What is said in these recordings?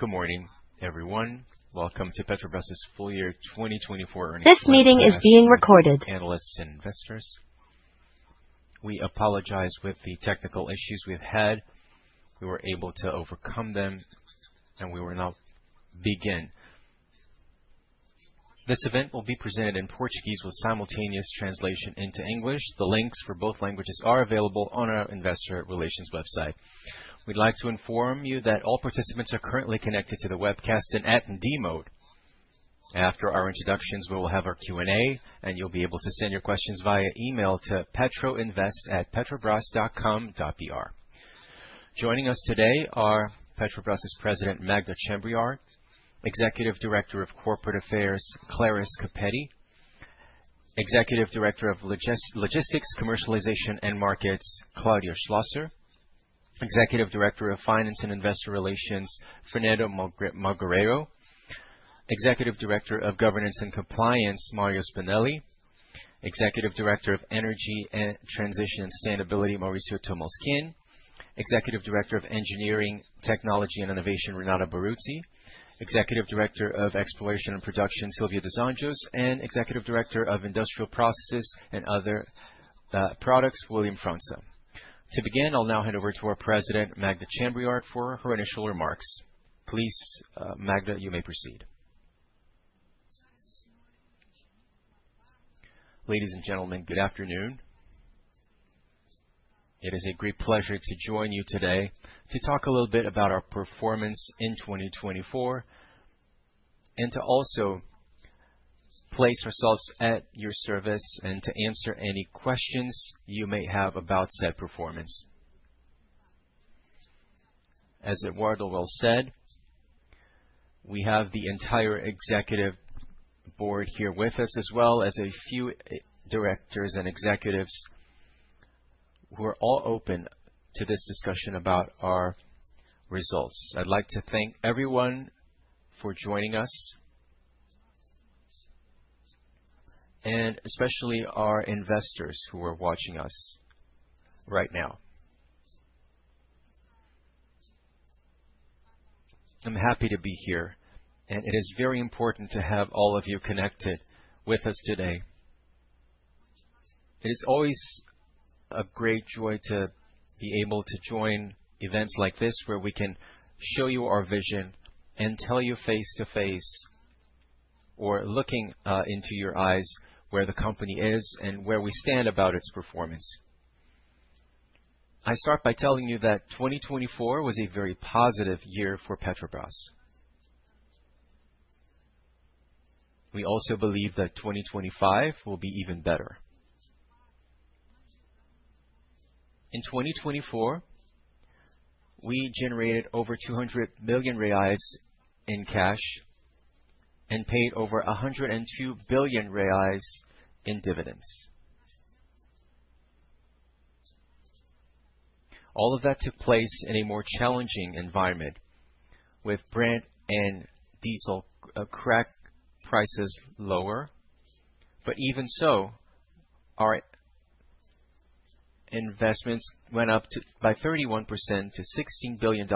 Good morning, everyone. Welcome to Petrobras full year 2024 earnings. Analysts and investors, we apologize. With the technical issues we've had, we were able to overcome them and we will now begin. This event will be presented in Portuguese with simultaneous translation into English. The links for both languages are available on our investor relations website. We'd like to inform you that all participants are currently connected to the webcast in attendee mode. After our introductions, we will have our Q&A, and you'll be able to send your questions via email to ri@petrobras.com.br. Joining us today are Petrobras President Magda Chambriard, Executive Director of Corporate Affairs Clarice Coppetti, Executive Director of Logistics, Commercialization, and Markets Claudio Schlosser, Executive Director of Finance and Investor Relations Fernando Melgarejo, Executive Director of Governance and Compliance Mário Spinelli, Executive Director of Energy Transition and Sustainability Maurício Tolmasquim, Executive Director of Engineering, Technology, and Innovation Renata Baruzzi, Executive Director of Exploration and Production Sylvia dos Anjos, and Executive Director of Industrial Processes and Products William França. To begin, I'll now hand over to our president, Magda Chambriard, for her initial remarks. Please, Magda, you may proceed. Ladies and gentlemen, good afternoon. It is a great pleasure to join you today to talk a little bit about our performance in 2024 and to also place ourselves at your service and to answer any questions you may have about said performance. As Eduardo well said, we have the entire executive board here with us, as well as a few directors and executives who are all open to this discussion about our results. I'd like to thank everyone for joining us, and especially our investors who are watching us right now. I'm happy to be here and it is very important to have all of you connected with us today. It is always a great joy to be able to join events like this where we can show you our vision and tell you face to face, or looking into your eyes where the company is and where we stand about its performance. I start by telling you that 2024 was a very positive year for Petrobras. We also believe that 2025 will be even better. In 2024, we generated over 200 million reais in cash and paid over 102 billion reais in dividends. All of that took place in a more challenging environment with Brent and diesel crack prices lower. But even so, our investments went up by 31% to $16 billion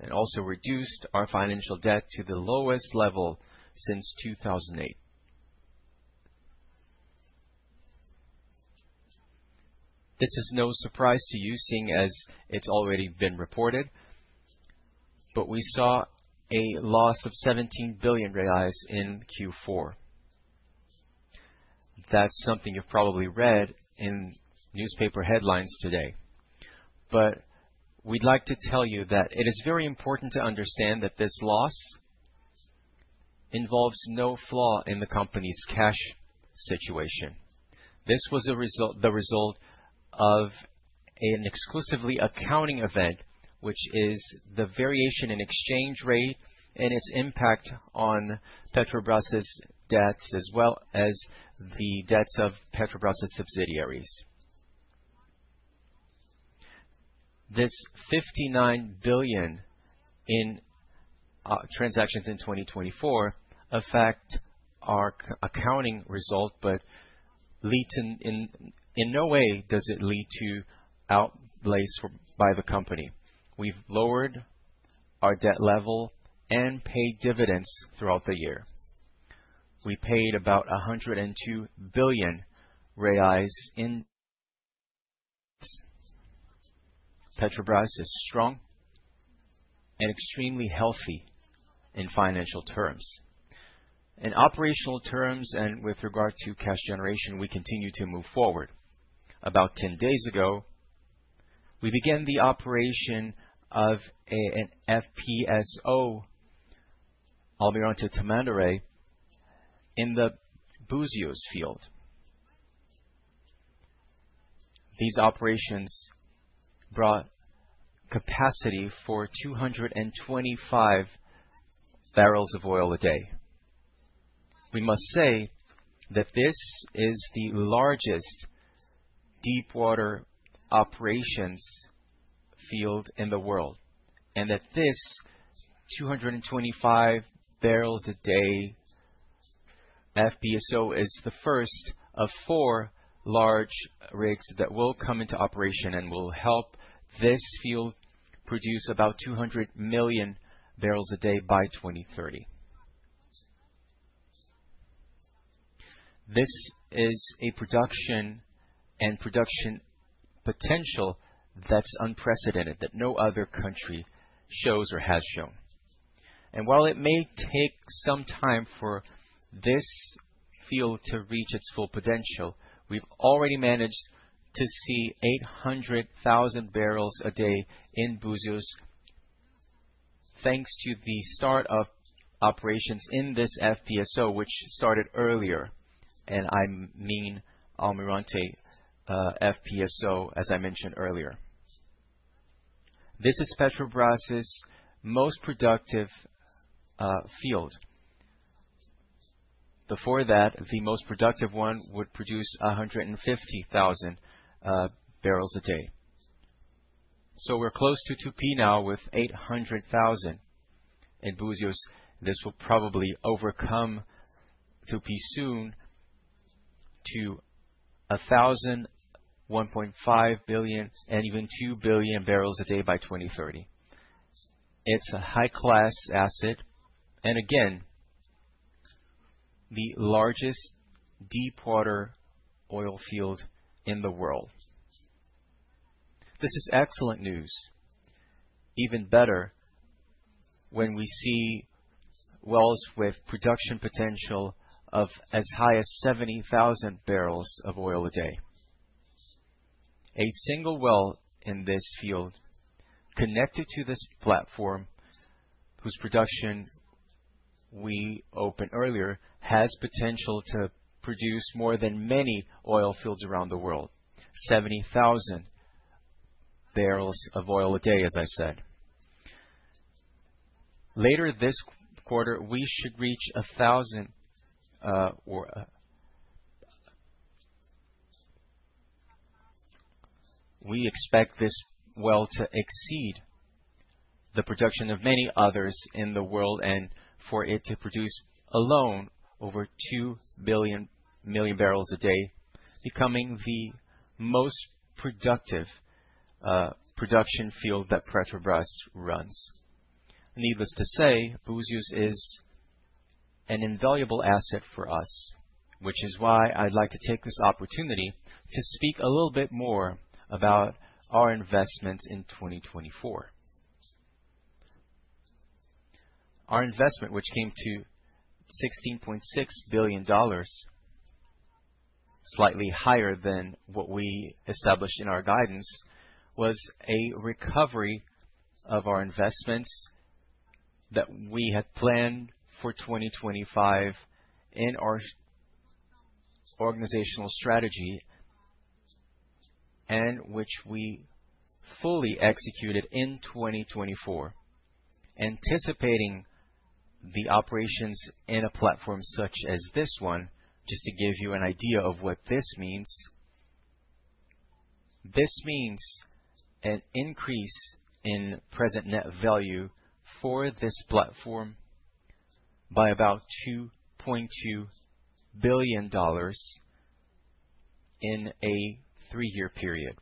and also reduced our financial debt to the lowest level since 2008. This is no surprise to you, seeing as it's already been reported, but we saw a loss of 17 billion reais in Q4. That's something you've probably read in newspaper headlines today. But we'd like to tell you that it is very important to understand that this loss involves no flaw in the company's cash situation. This was the result of an exclusively accounting event which is the variation in exchange rate and its impact on Petrobras debts as well as the debts of Petrobras subsidiaries. This 59 billion in transactions in 2024 affect our accounting result, but in no way does it lead to outlays by the company. We've lowered our debt level and paid dividends throughout the year. We paid about 102 billion reais in. Petrobras is strong and extremely healthy in financial terms. In operational terms and with regard to cash generation, we continue to move forward. About 10 days ago we began the operation of an FPSO, Almirante Tamandaré in the Búzios field. These operations brought capacity for 225 barrels of oil a day. We must say that this is the largest deep water operations field in the world, and that this 225 bpd FPSO is the first of four large rigs that will come into operation and will help this field produce about 200 MMbpd by 2030. This is a production and production potential that's unprecedented that no other country shows or has shown. And while it may take some time for this field to reach its full potential, we've already managed to see 800,000 bpd in Búzios thanks to the start of operations in this FPSO which started earlier. And I mean Almirante FPSO. As I mentioned earlier, this is Petrobras' most productive field. Before that, the most productive one would produce 150,000 bpd. So we're close to 2P now with 800,000 in Búzios. This will probably overcome 2P soon to 1.5 million and even 2 billion bpd by 2030. It's a high class asset and again the largest deep water oil field in the world. This is excellent news. Even better when we see wells with production potential of as high as 70,000 barrels of oil a day. A single well in this field connected to this platform whose production we opened earlier has potential to produce more than many oil fields around the world. 70,000 barrels of oil a day. As I said later this quarter, we should reach 1,000 or we expect this well to exceed the production of many others in the world and for it to produce alone over 2 billion bpd, becoming the most productive production field that Petrobras runs. Needless to say, Búzios is an invaluable asset for us. Which is why I'd like to take this opportunity to speak a little bit more about our investments in 2024. Our investment, which came to $16.6 billion, slightly higher than what we established in our guidance, was a recovery of our investments that we had planned for 2025 in our organizational strategy and which we fully executed in 2024. Anticipating the operations in a platform such as this one. Just to give you an idea of what this means, this means an increase in net present value for this platform by about $2.2 billion in a three-year period.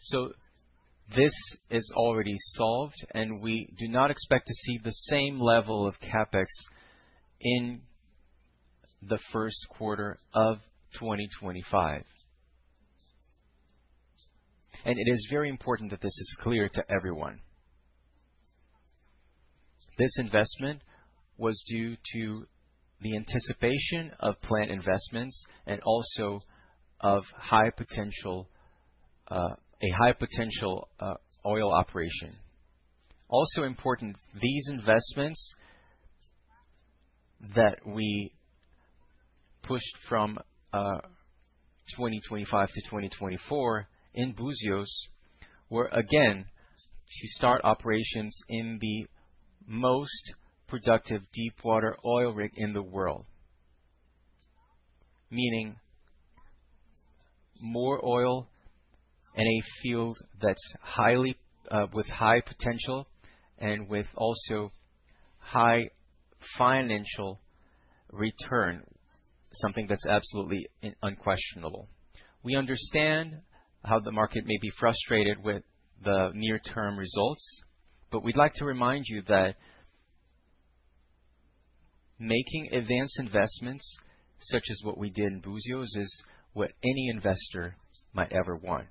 So this is already solved and we do not expect to see the same level of CapEx in the first quarter of 2025. And it is very important that this is clear to everyone. This investment was due to the anticipation of plant investments and also of High potential oil operation. Also important, these investments that we pushed from 2025 to 2024 in Búzios were again to start operations in the most productive deep water oil rig in the world meaning. More oil in a field that's highly with high potential and with also high financial return. Something that's absolutely unquestionable. We understand how the market may be frustrated with the near term results, but we'd like to remind you that making advanced investments such as what we did in Búzios is what any investor might ever want.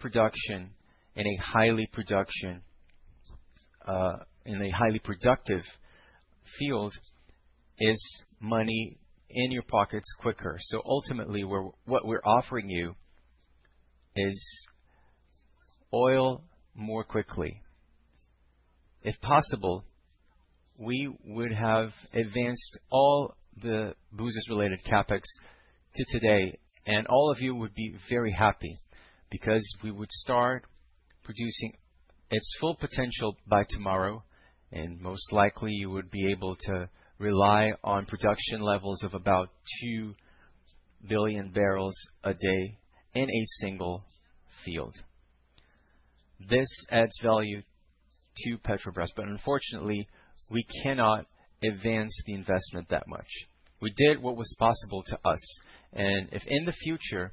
Production in a highly productive field is money in your pockets quicker. So ultimately what we're offering you is oil more quickly. If possible. We would have advanced all the Búzios-related CapEx to today and all of you would be very happy because we would start producing its full potential by tomorrow, and most likely you would be able to rely on production levels of about two billion bpd in a single field. This adds value to Petrobras, but unfortunately we cannot advance the investment that much. We did what was possible to us and if in the future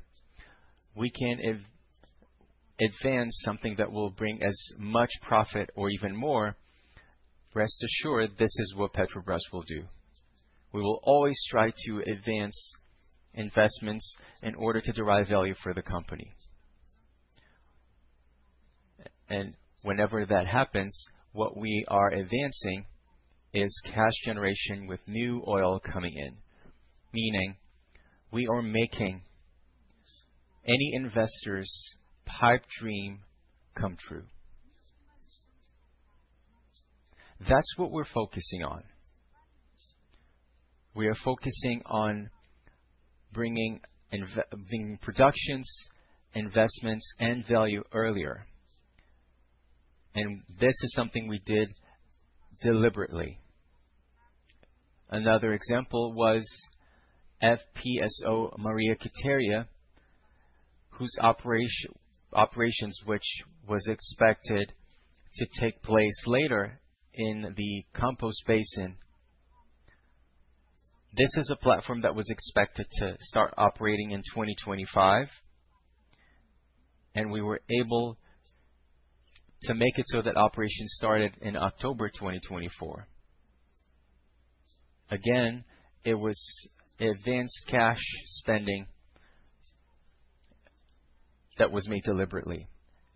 we can advance something that will bring as much profit or even more, rest assured, this is what Petrobras will do. We will always try to advance investments in order to derive value for the company. Whenever that happens, what we are advancing is cash generation with new oil coming in. Meaning we are making any investors pipe dream come true, that's what we're focusing on. We are focusing on bringing productions, investments and value earlier. This is something we did deliberately. Another example was FPSO Maria Quitéria, whose operations, which was expected to take place later in the Campos Basin. This is a platform that was expected to start operating in 2025 and we were able to make it so that operations started in October 2024. Again, it was advanced cash spending that was made deliberately.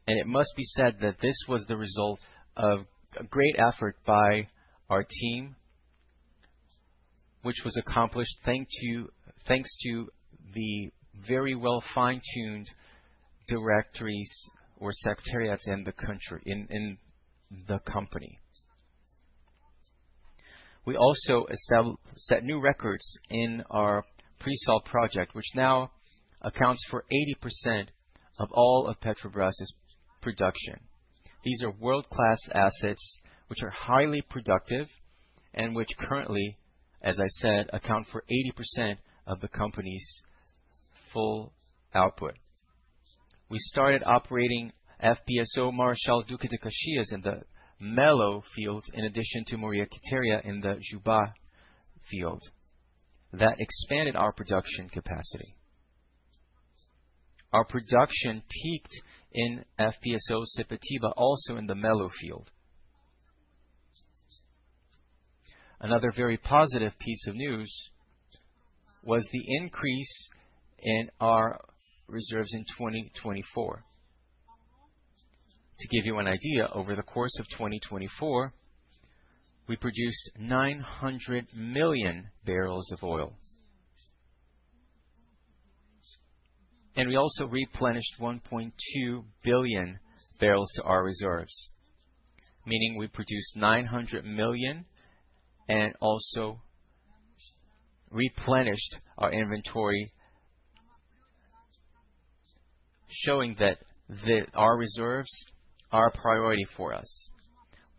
It must be said that this was the result of a great effort by our team which was accomplished thanks to the very well fine-tuned directorates or secretariats in the company. We also set new records in our pre-salt project which now accounts for 80% of all of Petrobras production. These are world-class assets which are highly productive and which currently, as I said, account for 80% of the company's full output. We started operating FPSO Marechal Duque de Caxias in the Mero Field, in addition to Maria Quitéria in the Jubarte field. That expanded our production capacity. Our production peaked in FPSO Sepetiba, also in the Mero Field. Another very positive piece of news was the increase in our reserves in 2024. To give you an idea, over the course of 2024 we produced 900 million barrels of oil and we also replenished 1.2 billion barrels to our reserves, meaning we produced 900 million and also replenished our inventory showing that our reserves are a priority for us.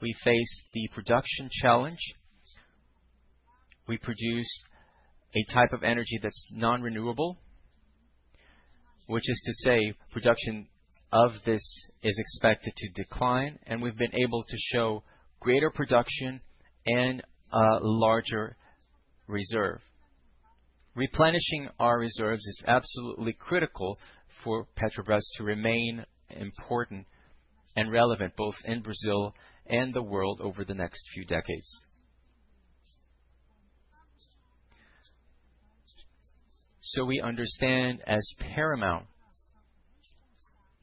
We face the production challenge. We produce a type of energy that's non-renewable, which is to say production of this is expected to decline and we've been able to show greater production and larger reserve. Replenishing our reserves is absolutely critical for Petrobras to remain important and relevant both in Brazil and the world over the next few decades. We understand as paramount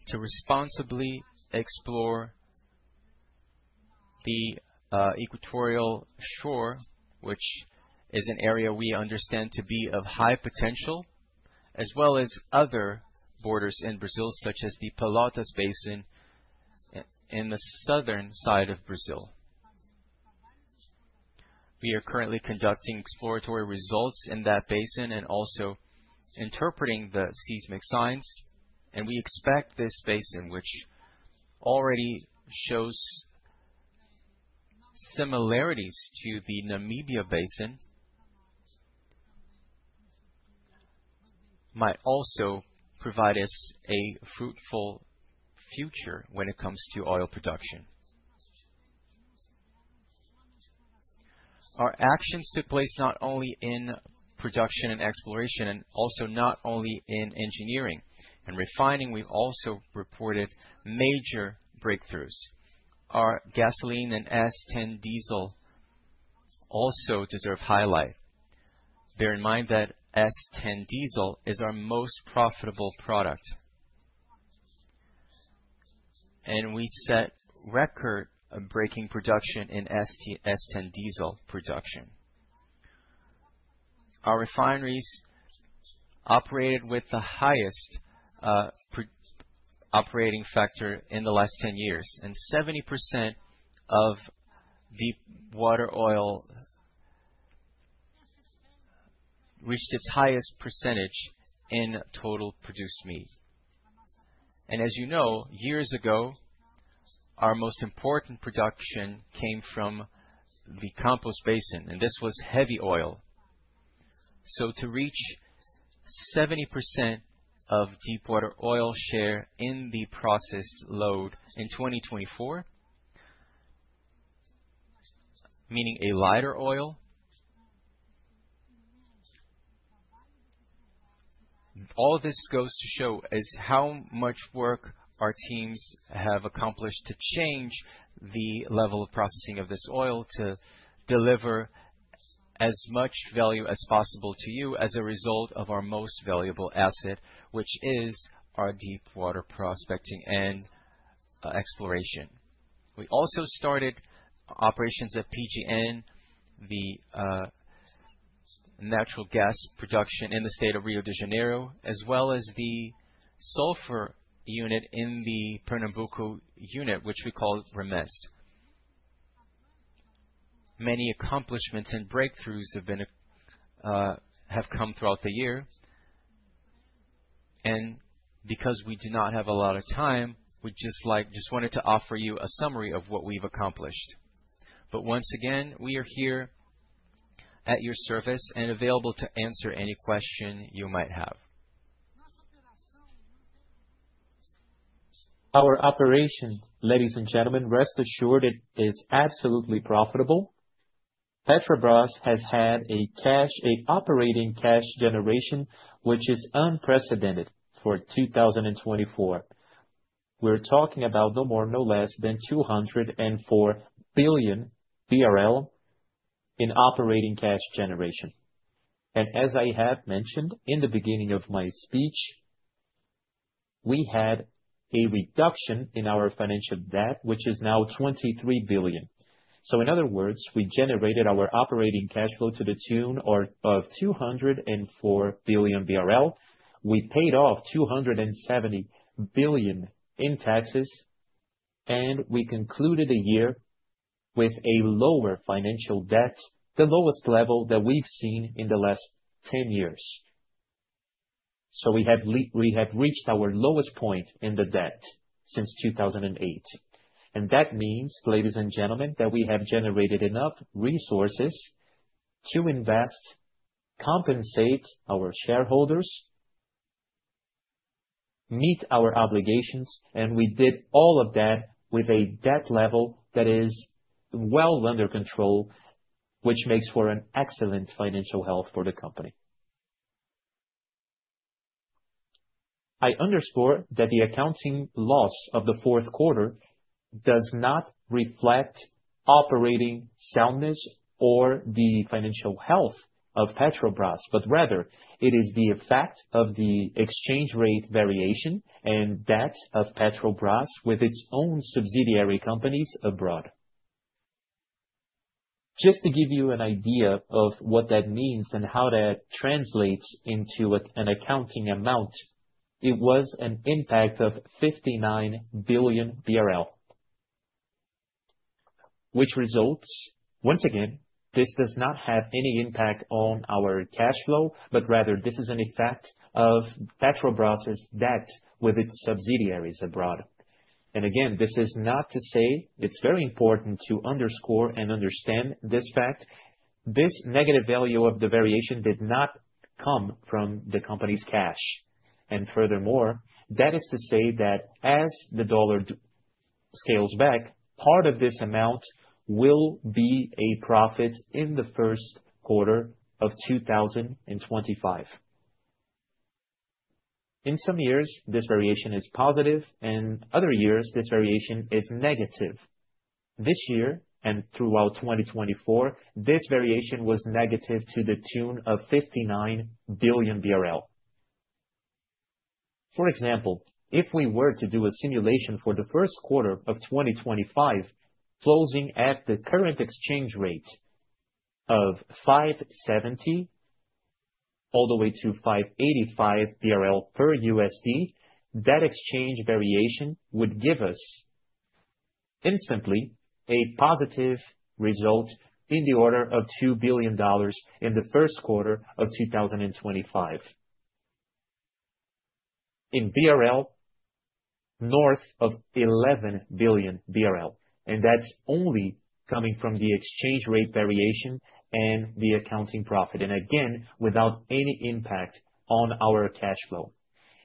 to responsibly explore the Equatorial Margin, which is an area we understand to be of high potential, as well as other borders in Brazil, such as the Pelotas Basin in the southern side of Brazil. We are currently conducting exploratory results in that basin and also interpreting the seismic signs. We expect this basin, which already shows similarities to the Namibia Basin, might also provide us a fruitful future when it comes to oil production. Our actions took place not only in production and exploration and also not only in engineering and refining. We also reported major breakthroughs. Our gasoline and S10 diesel also deserve highlight. Bear in mind that S10 diesel is our most profitable product and we set record-breaking production in S10 diesel production. Our refineries operated with the highest operating factor in the last 10 years. 70% of deepwater oil reached its highest percentage in total production. As you know, years ago, our most important production came from the Campos Basin. This was heavy oil. So to reach 70% of deepwater oil share in the processing slate in 2024, meaning a lighter oil. All this goes to show is how much work our teams have accomplished to change the level of processing of this oil to deliver as much value as possible to you. As a result of our most valuable asset, which is our deepwater prospecting and exploration. We also started operations at UPGN, the natural gas processing unit in the state of Rio de Janeiro, as well as the HDT unit in the Pernambuco unit, which we call RNEST. Many accomplishments and breakthroughs have come throughout the year. And because we do not have a lot of time, we just wanted to offer you a summary of what we've accomplished. But once again, we are here at your service and available to answer any question you might have. Our operation, ladies and gentlemen, rest assured, it is absolutely profitable. Petrobras has had cash and operating cash generation which is unprecedented for 2024. We're talking about no more, no less than 204 billion BRL in operating cash generation, and as I have mentioned in the beginning of my speech, we had a reduction in our financial debt, which is now 23 billion, so in other words, we generated our operating cash flow to the tune of 204 billion BRL, we paid off 270 billion in taxes and we concluded the year with a lower financial debt, the lowest level that we've seen in the last 10 years, so we have reached our lowest point in the debt since 2008, and that means, ladies and gentlemen, that we have generated enough resources to invest, compensate our shareholders, meet our obligations. And we did all of that with a debt level that is well under control and which makes for an excellent financial health for the company. I underscore that the accounting loss of the fourth quarter does not reflect operating soundness or the financial health of Petrobras, but rather it is the effect of the exchange rate variation and debt of Petrobras with its own subsidiary companies abroad. Just to give you an idea of what that means and how that translates into an accounting amount, it was an impact of 59 billion BRL which results. Once again, this does not have any impact on our cash flow, but rather this is an effect of Petrobras debt with its subsidiaries abroad and again, this is not to say it's very important to underscore and understand this fact. This negative value of the variation did not come from the company's cash. Furthermore, that is to say that as the dollar scales back, part of this amount will be a profit in the first quarter of 2025. In some years this variation is positive and other years this variation is negative. This year and throughout 2024 this variation was negative to the tune of 59 billion BRL. For example, if we were to do a simulation for the first quarter of 2025 closing at the current exchange rate of 570-585 per USD, that exchange variation would give us instantly a positive result in the order of $2 billion in the first quarter of 2025 in BRL north of 11 billion BRL. And that's only coming from the exchange rate variation and the accounting profit. And again, without any impact on our cash flow.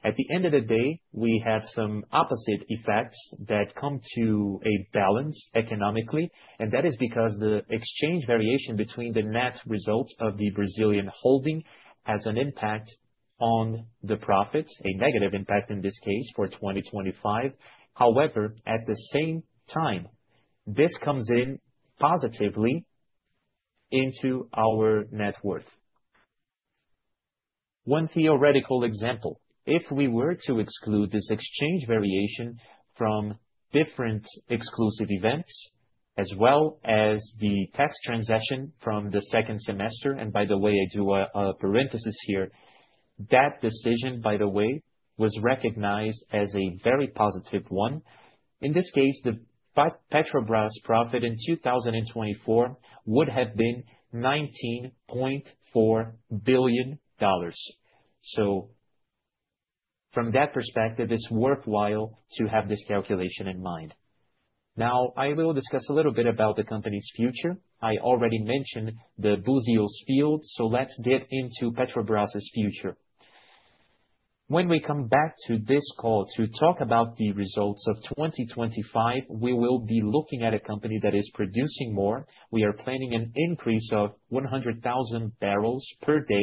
At the end of the day, we have some opposite effects that come to a balance economically, and that is because the exchange variation between the net result of the Brazilian holding has an impact on the profits, a negative impact in this case for 2025. However, at the same time this comes in positively into our net worth. One theoretical example, if we were to exclude this exchange variation from different exclusive events as well as the tax transaction from the second semester, and by the way, I do a parenthesis here. That decision by the way was recognized as a very positive one. In this case, the Petrobras profit in 2024 would have been $19.4 billion, so from that perspective it's worthwhile to have this calculation in mind. Now I will discuss a little bit about the company's future. I already mentioned the Búzios field. So let's dig into Petrobras' future. When we come back to this call to talk about the results of 2025, we will be looking at a company that is producing more. We are planning an increase of 100,000 bpd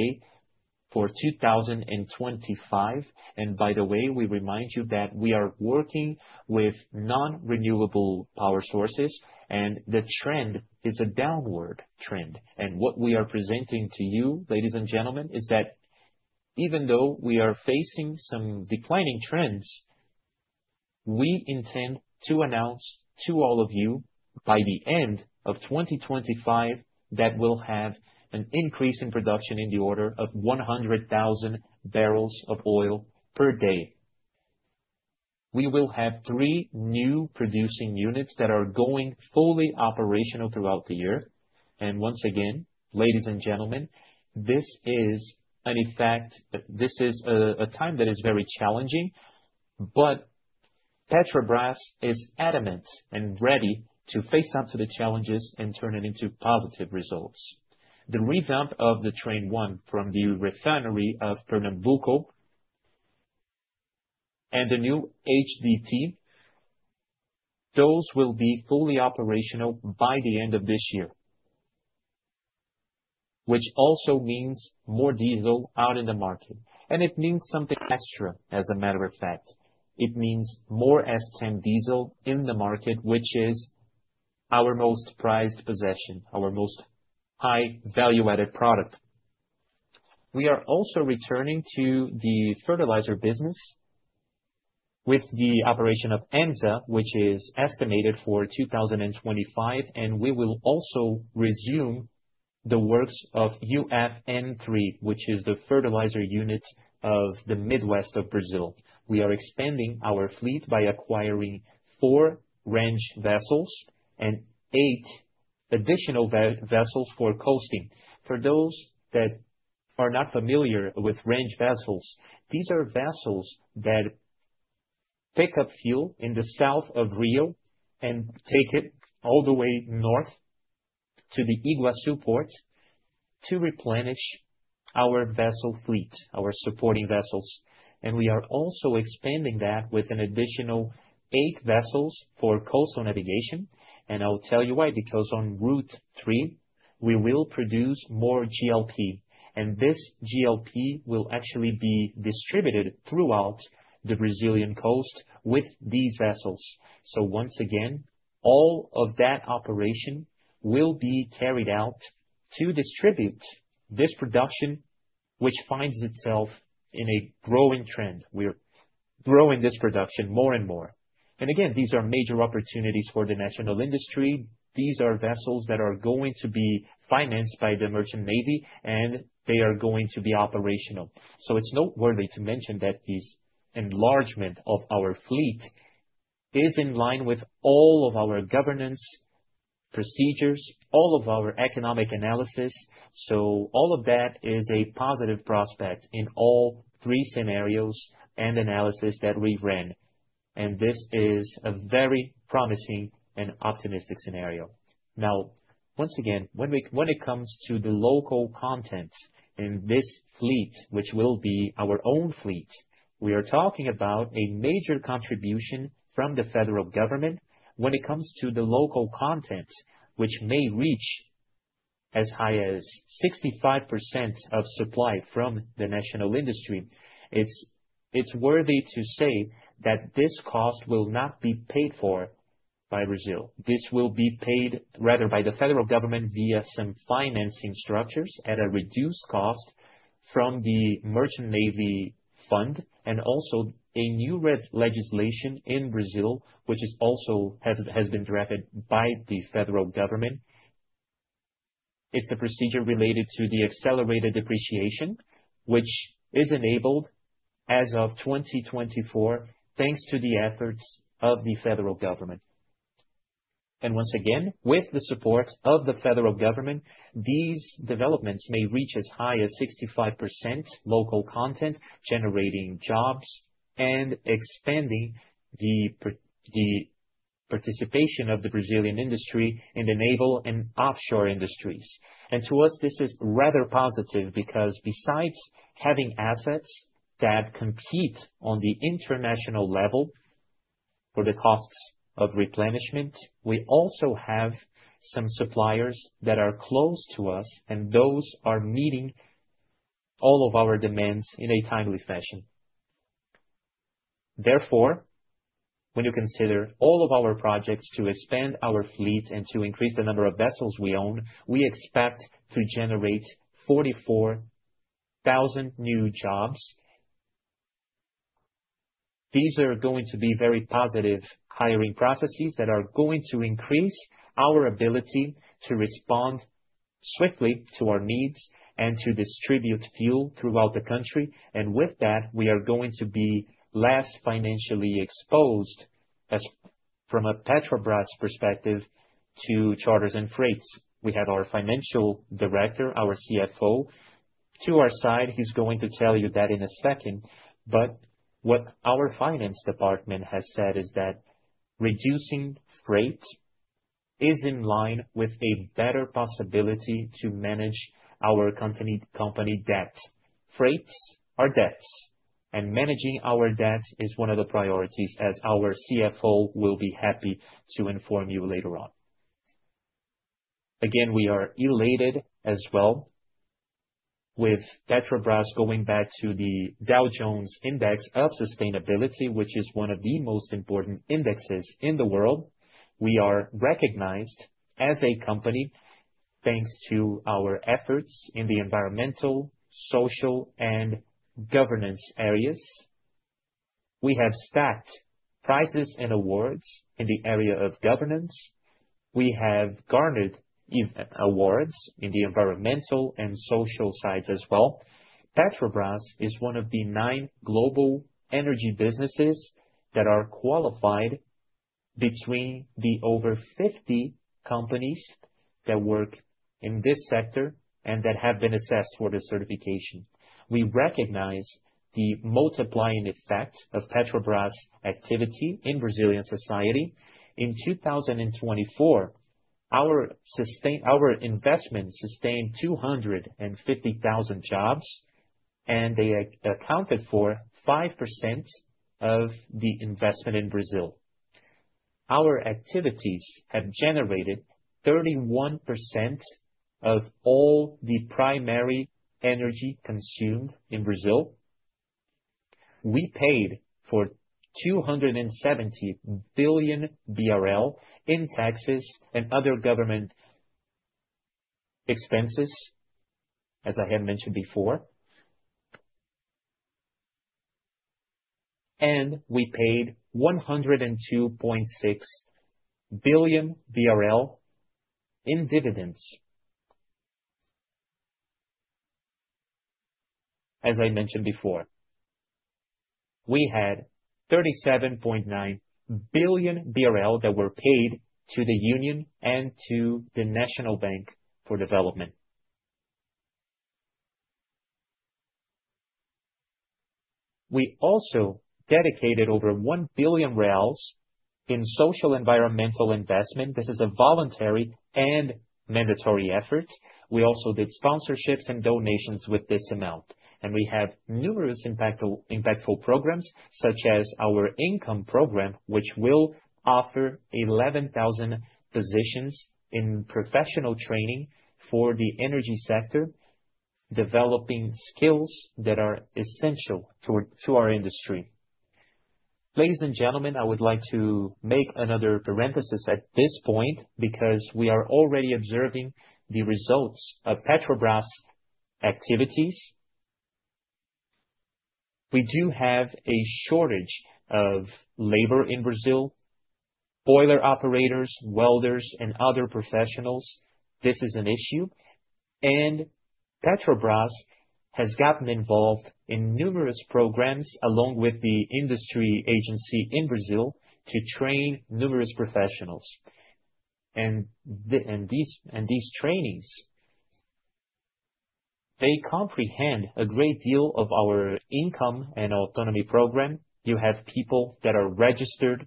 for 2025. And by the way, we remind you that we are working with non-renewable power sources and the trend is a downward trend. And what we are presenting to you, ladies and gentlemen, is that even though we are facing some declining trends, we intend to announce to all of you by the end of 2025 that we'll have an increase in production in the order of 100,000 barrels of oil per day. We will have three new producing units that are going fully operational throughout the year. And once again, ladies and gentlemen, this is an effect. This is a time that is very challenging. But Petrobras is adamant and ready to face up to the challenges and turn it into positive results. The revamp of the Train One from the refinery of Pernambuco and the new HDT, those will be fully operational by the end of this year, which also means more diesel out in the market. And it means something extra. As a matter of fact, it means more S10 diesel in the market, which is our most prized possession, our most high value added product. We are also returning to the fertilizer business with the operation of ANSA, which is estimated for 2025. And we will also resume the works of UFN-III, which is the fertilizer unit of the Midwest of Brazil. We are expanding our fleet by acquiring four range vessels and eight additional vessels for coasting. For those that are not familiar with range vessels, these are vessels that pick up fuel in the south of Rio and take it all the way north to the Itaqui port to replenish our vessel fleet, our supporting vessels. We are also expanding that with an additional eight vessels for coastal navigation. I will tell you why. Because on Route 3, we will produce more GLP. This GLP will actually be distributed throughout the Brazilian coast with these vessels. Once again, all of that operation will be carried out to distribute this production, which finds itself in a growing trend. We're growing this production more and more. These are major opportunities for the national industry. These are vessels that are going to be financed by the merchant navy and they are going to be operational. It's noteworthy to mention that this enlargement of our fleet is in line with all of our governance procedures, all of our economic analysis. All of that is a positive prospect in all three scenarios and analysis that we ran. This is a very promising and optimistic scenario. Now, once again, when it comes to the local content in this fleet, which will be our own fleet, we are talking about a major contribution from the federal government. When it comes to the local content, which may reach as high as 65% of supply from the national industry. It's worthy to say that this cost will not be paid for by Brazil. This will be paid rather by the federal government via some financing structures at a reduced cost from the Merchant Navy Fund. Also a new legislation in Brazil, which also has been drafted by the federal government. It's a procedure related to the accelerated depreciation which is enabled as of 2024, thanks to the efforts of the federal government. Once again, with the support of the federal government, these developments may reach as high as 65% local content, generating jobs and expanding the participation of the Brazilian industry in the naval and offshore industries. To us, this is rather positive because besides having assets that compete on the international level for the costs of replenishment, we also have some suppliers that are close to us and those are meeting all of our demands in a timely fashion. Therefore, when you consider all of our projects to expand our fleet and to increase the number of vessels we own, we expect that generate 44,000 new jobs. These are going to be very positive hiring processes that are going to increase our ability to respond swiftly to our needs and to distribute fuel throughout the country. With that, we are going to be less financially exposed, from a Petrobras perspective, to charters and freights. We have our financial director, our CFO to our side. He's going to tell you that in a second. But what our finance department has said is that reducing freight is in line with a better possibility to manage our company debt. Freights are debts, and managing our debt is one of the priorities, as our CFO will be happy to inform you later on. Again, we are elated as well with Petrobras going back to the Dow Jones Sustainability Index, which is one of the most important indexes in the world. We are recognized as a company thanks to our efforts in the environmental, social and governance areas. We have stacked prizes and awards. In the area of governance, we have garnered awards in the environmental and social sides as well. Petrobras is one of the nine global energy businesses that are qualified between the over 50 companies that work in this sector and that have been assessed for the certification. We recognize the multiplying effect of Petrobras activity in Brazilian society. In 2024, our investment sustained 250,000 jobs and they accounted for 5% of the investment in Brazil. Our activities have generated 31% of all the primary energy consumed in Brazil. We paid for 270 billion BRL in taxes and other government expenses, as I had mentioned before. We paid 102.6 billion in dividends. As I mentioned before, we had 37.9 billion BRL that were paid to the Union and to the national bank for Development. We also dedicated over 1 billion reais in social, environmental investment. This is a voluntary and mandatory efforts. We also did sponsorships and donations with this amount. We have numerous impactful programs, such as our Income program, which will offer 11,000 positions in professional training for the energy sector, developing skills that are essential to our industry. Ladies and gentlemen, I would like to make another parenthesis at this point, because we are already observing the results of Petrobras activities. We do have a shortage of labor in Brazil. Boiler operators, welders and other professionals. This is an issue. Petrobras has gotten involved in numerous programs along with the industry agency in Brazil to train numerous professionals. These trainings, they comprehend a great deal of our income and autonomy program. You have people that are registered,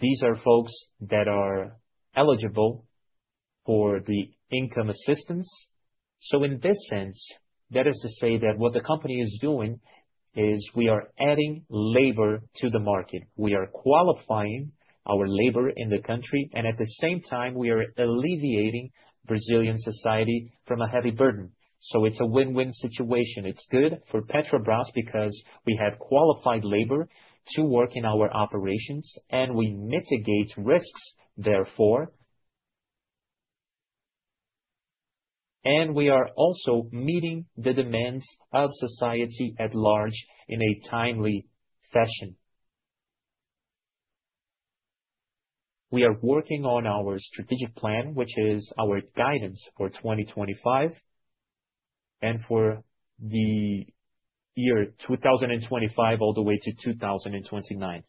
these are folks that are eligible for the income assistance. So in this sense, that is to say that what the company is doing is we are adding labor to the market. We are qualifying our labor in the country, and at the same time, we are alleviating Brazilian society from a heavy burden. So it's a win win situation. It's good for Petrobras because we have qualified labor to work in our operations and. And we mitigate risks, therefore. And we are also meeting the demands of society at large in a timely fashion. We are working on our strategic plan, which is our guidance for 2025 and for the year 2025, all the way to 2029.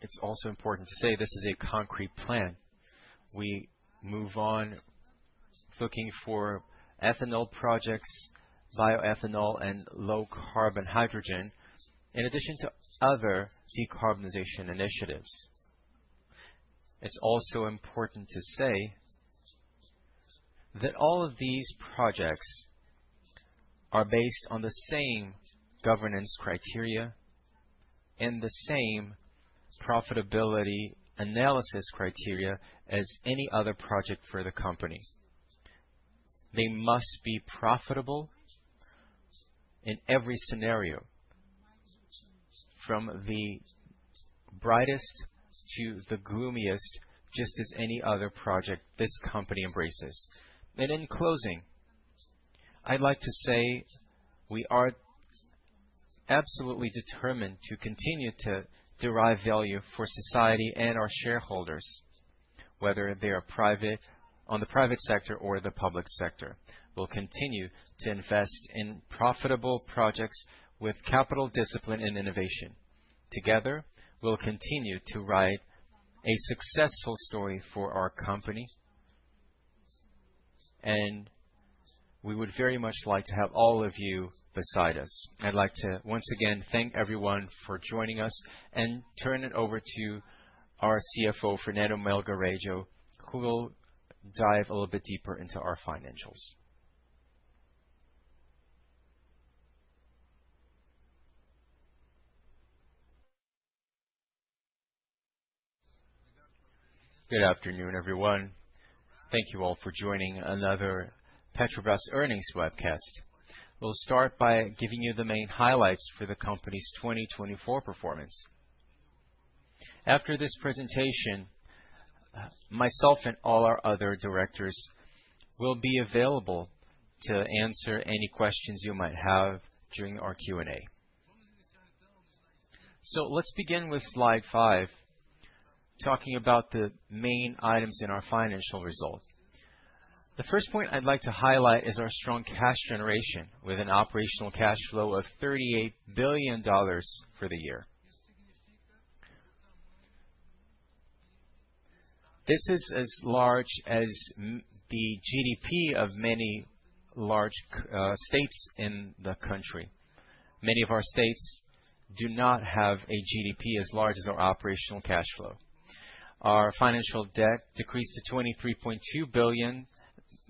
It's also important to say this is a concrete plan. We move on looking for ethanol projects, bioethanol and low carbon hydrogen, in addition to other decarbonization initiatives. It's also important to say that all of these projects are based on the same governance criteria and the same profitability analysis criteria as any other project for the company. They must be profitable in every scenario, from the brightest to the gloomiest, just as any other project this company embraces. And in closing, I'd like to say we are absolutely determined to continue to derive value for society and our shareholders, whether they are private, on the private sector or the public sector. We'll continue to invest in profitable projects with capital, discipline and innovation. Together, we'll continue to write a successful story for our company. And we would very much like to have all of you beside us. I'd like to once again thank everyone for joining us and turn it over to our CFO, Fernando Melgarejo, who will dive a little bit deeper into our financials. Good afternoon, everyone. Thank you all for joining another Petrobras earnings webcast. We'll start by giving you the main highlights for the company's 2024 performance. After this presentation, myself and all our other directors will be available to answer any questions you might have during our Q&A. So let's begin with slide five. Talking about the main items in our financial results. The first point I'd like to highlight is our strong cash generation with an operational cash flow of $38 billion for the year. This is as large as the GDP of many large states in the country. Many of our states do not have a GDP as large as our operational cash flow. Our financial debt decreased to $23.2 billion,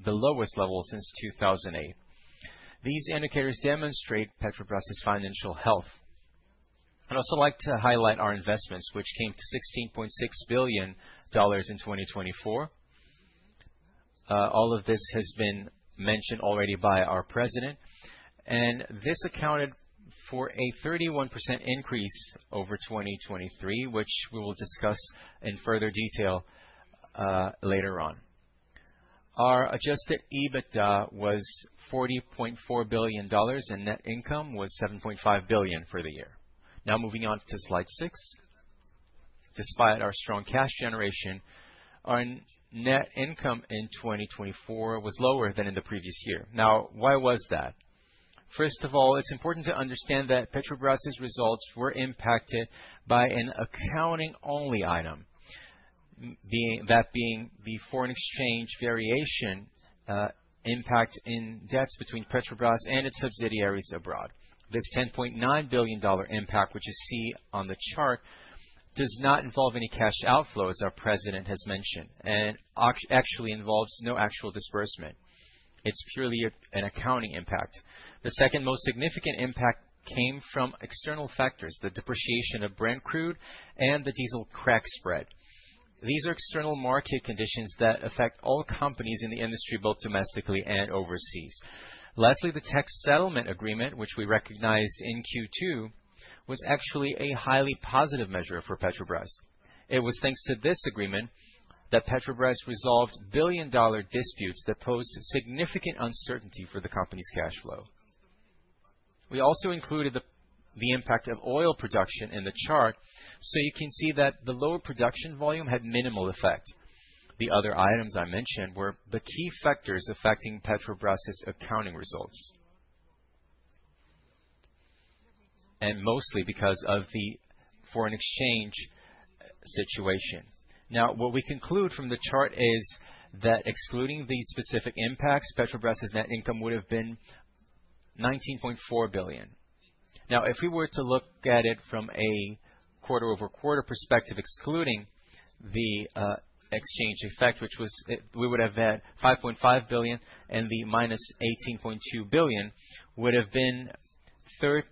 the lowest level since 2008. These indicators demonstrate Petrobras's financial health. I'd also like to highlight our investments which came to $16.6 billion in 2024. All of this has been mentioned already by our President and this accounted for a 31% increase over 2023, which we will discuss in further detail later on. Our adjusted EBITDA was $40.4 billion and net income was $7.5 billion for the year. Now moving on to slide six. Despite our strong cash generation, our net income in 2024 was lower than in the previous year. Now why was that? First of all, it's important to understand that Petrobras results were impacted by an accounting-only item, that being the foreign exchange variation impact in debts between Petrobras and its subsidiaries abroad. This $10.9 billion impact which you see on the chart does not involve any cash outflow as our President has mentioned and actually involves no actual disbursement. It's purely an accounting impact. The second most significant impact came from external factors, the depreciation of Brent crude and the diesel crack spread. These are external market conditions that affect all companies in the industry, both domestically and overseas. Lastly, the tax settlement agreement which we recognized in Q2 was actually a highly positive measure for Petrobras. It was thanks to this agreement that Petrobras resolved billion-dollar disputes that posed significant uncertainty for the company's cash flow. We also included the impact of oil production in the chart, so you can see that the lower production volume had minimal effect. The other items I mentioned were the key factors affecting Petrobras' accounting results, and mostly because of the foreign exchange situation. Now what we conclude from the chart is that excluding these specific impacts, Petrobras net income would have been 19.4 billion. Now if we were to look at it from a quarter over quarter perspective, excluding the exchange effect, we would have had 5.5 billion and the -18.2 billion would have been $13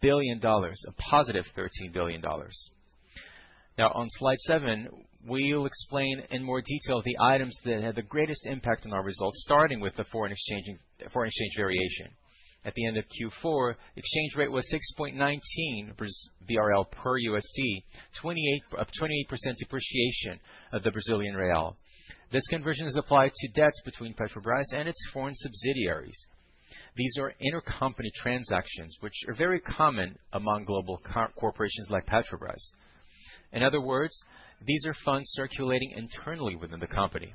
billion. A +$13 billion. Now on slide seven, we will explain in more detail the items that had the greatest impact on our results. Starting with the foreign exchange variation, at the end of Q4 exchange rate was 6.19 BRL per USD of 28% depreciation of the Brazilian Real. This conversion is applied to debts between Petrobras and its foreign subsidiaries. These are intercompany transactions which are very common among global corporations like Petrobras. In other words, these are funds circulating internally within the company.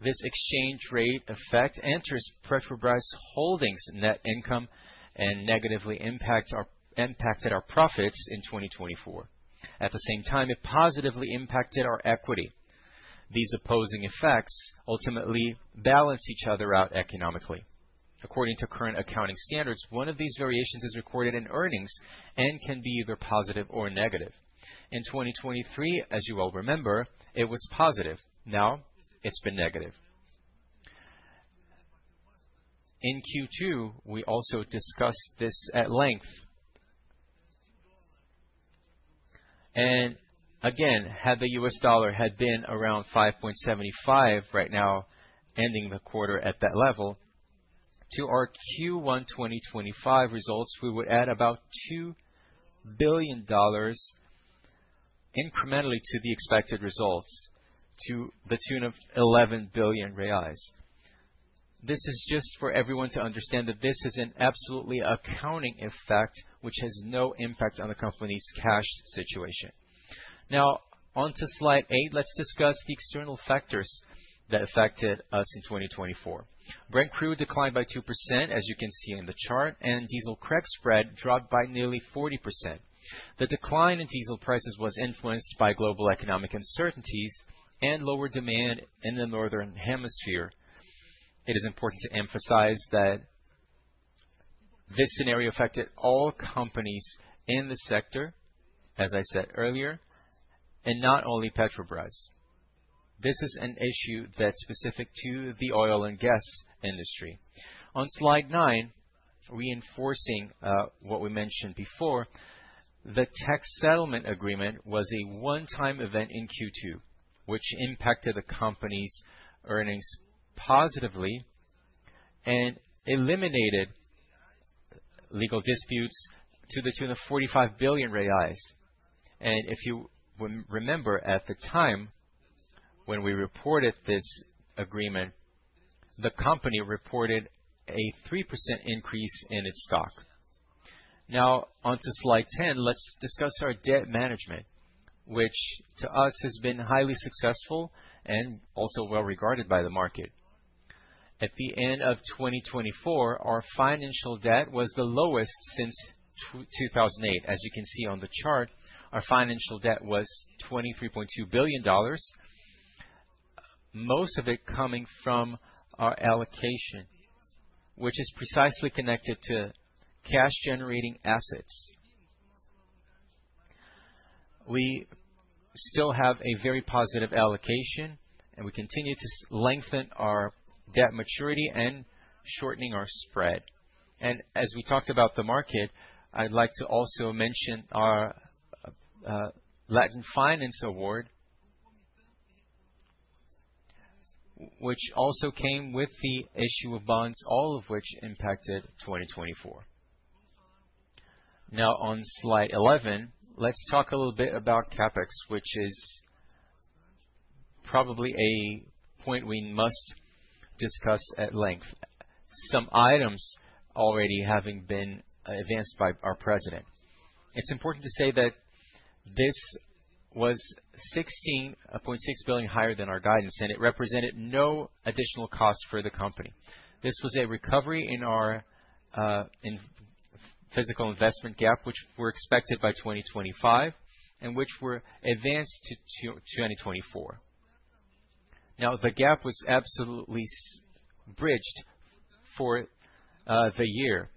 This exchange rate effect enters Petrobras holdings net income and negatively impacted our profits in 2024. At the same time it positively impacted our equity. These opposing effects ultimately balance each other out economically according to current accounting standards. One of these variations is recorded in earnings and can be either positive or negative. In 2023, as you all remember, it was positive. Now it's been negative. In Q2. We also discussed this at length. Again, had the U.S. dollars had been around 5.75 right now, ending the quarter at that level to our Q1 2025 results, we would add about $2 billion incrementally to the expected results to the tune of 11 billion reais. This is just for everyone to understand that this is an absolutely accounting effect which has no impact on the company's cash situation. Now, to Slide eight. Let's discuss the external factors that affected us in 2024. Brent crude declined by 2% as you can see in the chart, and diesel crack spread dropped by nearly 40%. The decline in diesel prices was influenced by global economic uncertainties and lower demand in the Northern Hemisphere. It is important to emphasize that this scenario affected all companies in the sector, as I said earlier, and not only Petrobras. This is an issue that's specific to the oil and gas industry. On slide nine, reinforcing what we mentioned before, the Tax Settlement agreement was a one-time event in Q2 which impacted the company's earnings positively and eliminated legal disputes to the tune of 45 billion reais. If you remember, at the time when we reported this agreement, the company reported a 3% increase in its stock. Now onto slide 10, let's discuss our debt management which to us has been highly successful and also well regarded by the market. At the end of 2024, our financial debt was the lowest since 2008. As you can see on the chart, our financial debt was $23.2 billion, most of it coming from our allocation which is precisely connected to cash generating assets. We still have a very positive allocation and we continue to lengthen our debt maturity and shortening our spread. And as we talked about the market, I'd like to also mention our LatinFinance Award which also came with the issue of bonds, all of which impacted 2024. Now on slide 11, let's talk a little bit about CapEx, which is probably a point we must discuss at length. Some items already having been advanced by our President. It's important to say that this was $16.6 billion higher than our guidance and it represented no additional cost for the company. This was a recovery in our physical investment gap which were expected by 2025 and which were advanced to 2024. Now the gap was absolutely bridged for the year.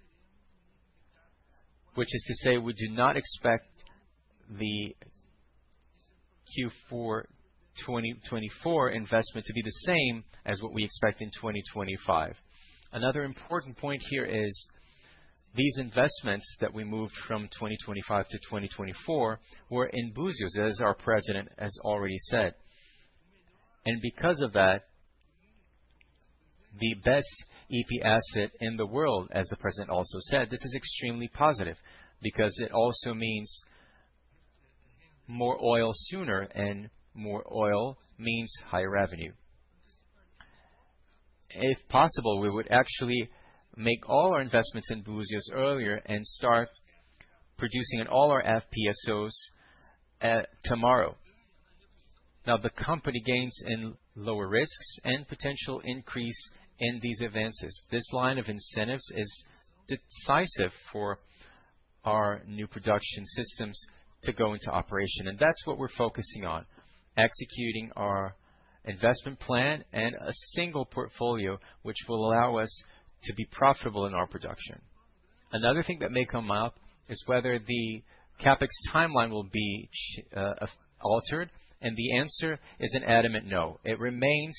Which is to say we do not expect the Q4 2024 investment to be the same as what we expect in 2025. Another important point here is these investments that we moved from 2025 to 2024 were in Búzios as our President has already said. And because of that, the best EP asset in the world. As the President also said, this is extremely positive because it also means more oil sooner and more oil means higher revenue. If possible, we would actually make all our investments in Búzios earlier and start producing all our FPSOs tomorrow. Now the company gains in lower risks and potential increase in these advances. This line of incentives is decisive for our new production systems to go into operation. And that's what we're focusing on executing our investment plan and a single portfolio which will allow us to be profitable in our production. Another thing that may come up is whether the CapEx timeline will be altered. And the answer is an adamant no. It remains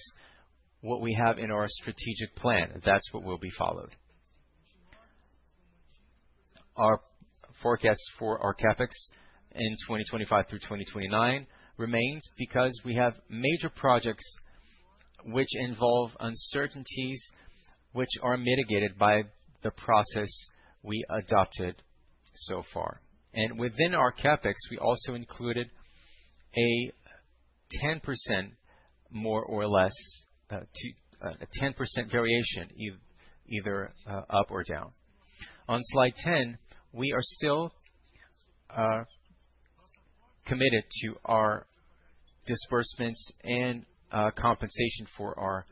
what we have in our strategic plan. That's what will be followed. Our forecast for our CapEx in 2025 through 2029 remains because we have major projects which involve uncertainties which are mitigated by the process we adopted so far. And within our CapEx we also included a 10% more or less a 10% variation either up or down on slide 10. We are still committed to our disbursements and compensation for our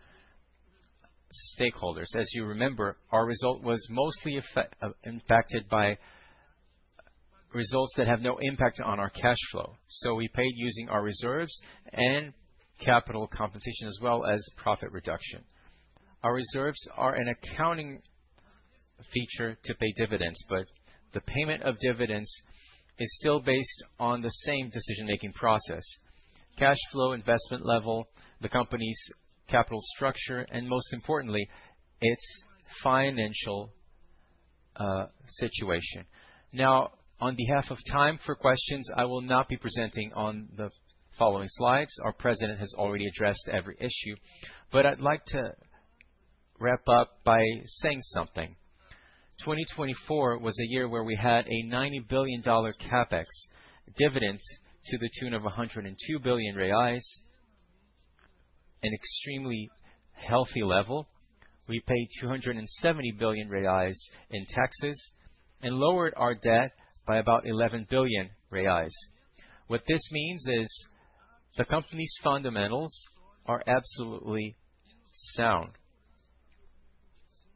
stakeholders. As you remember, our result was mostly impacted by results that have no impact on our cash flow. So we paid using our reserves and capital compensation as well as profit reduction. Our reserves are an accounting feature to pay dividends. But the payment of dividends is still based on the same decision making process. Cash flow, investment level, the company's capital structure and most importantly its financial situation. Now on behalf of the team for questions, I will not be presenting on the following slides. Our President has already addressed every issue but I'd like to wrap up by saying something. 2024 was a year where we had a $90 billion CapEx dividend to the tune of 102 billion reais, an extremely healthy level. We paid 270 billion reais in taxes and lowered our debt by about 11 billion reais. What this means is the company's fundamentals are absolutely sound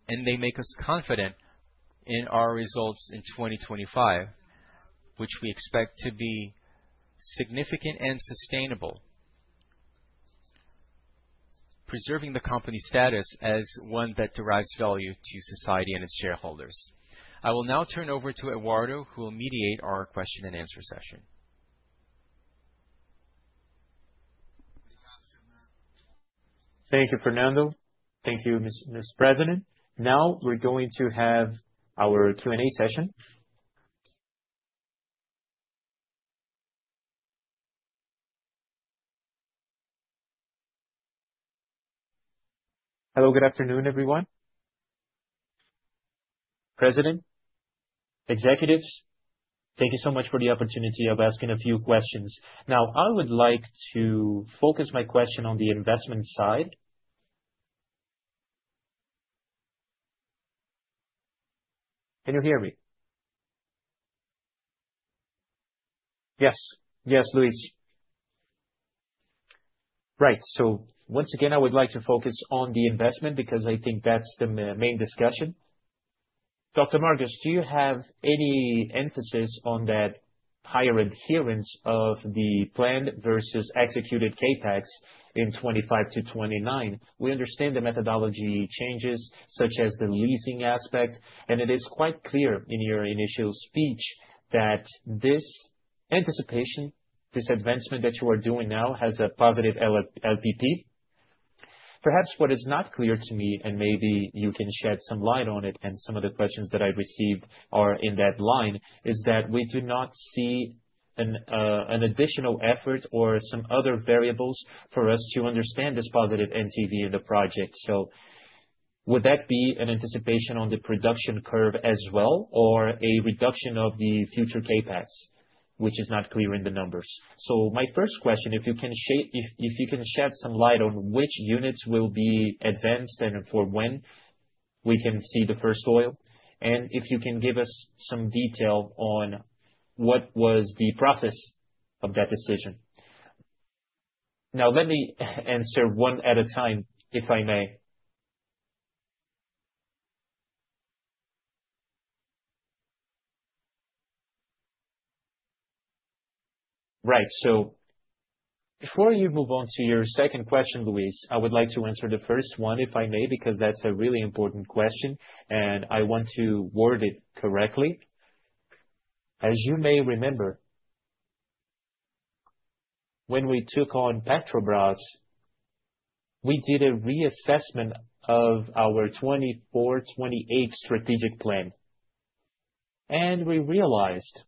and they make us confident in our results in 2025, which we expect to be significant and sustainable, preserving the company status as one that derives value to society and its shareholders. I will now turn over to Eduardo, who will mediate our question-and-answer session. Thank you, Fernando. Thank you, Ms. President. Now we're going to have our Q&A session. Hello, good afternoon everyone. President executives, thank you so much for the opportunity of asking a few questions. Now I would like to focus my question on the investment side. Can you hear me? Yes, yes, Luis. Right, so once again I would like to focus on the investment because I think that's the main discussion. Dr. Magda, do you have any emphasis on that higher adherence of the planned versus executed CapEx in 2025-2029? We understand the methodology changes, such as the leasing aspect, and it is quite clear in your initial speech that this anticipation, this advancement that you are doing now has a positive impact. Perhaps what is not clear to me and maybe you can shed some light on it, and some of the questions that I received are in that line, is that we do not see an additional effort or some other variables for us to understand this positive NPV in the project. So would that be an anticipation on the production curve as well, or a reduction of the future CapEx, which is not clear in the numbers? So my first question, if you can shed some light on which units will be advanced and for when we can see the first oil, and if you can give us some detail on what was the process of that decision? Now let me answer one at a time, if I may. Right, so before you move on to your second question, Luis, I would like to answer the first one, if I may, because that's a really important question and I want to word it correctly. As you may remember, when we took on Petrobras, we did a reassessment of our 2024-2028 strategic plan and we realized that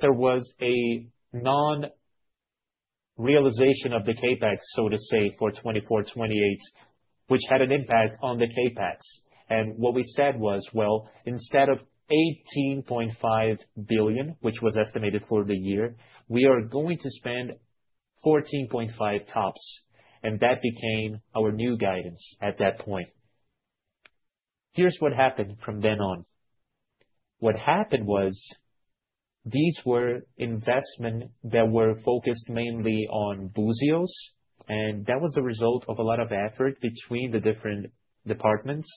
there was a non-realization of the CapEx, so to say, for 2024-2028, which had an impact on the CapEx. What we said was, well, instead of $18.5 billion, which was estimated for the year, we are going to spend $14.5 billion tops. That became our new guidance at that point. Here's what happened from then on. What happened was these were investments that were focused mainly on Búzios, and that was the result of a lot of effort between the different departments.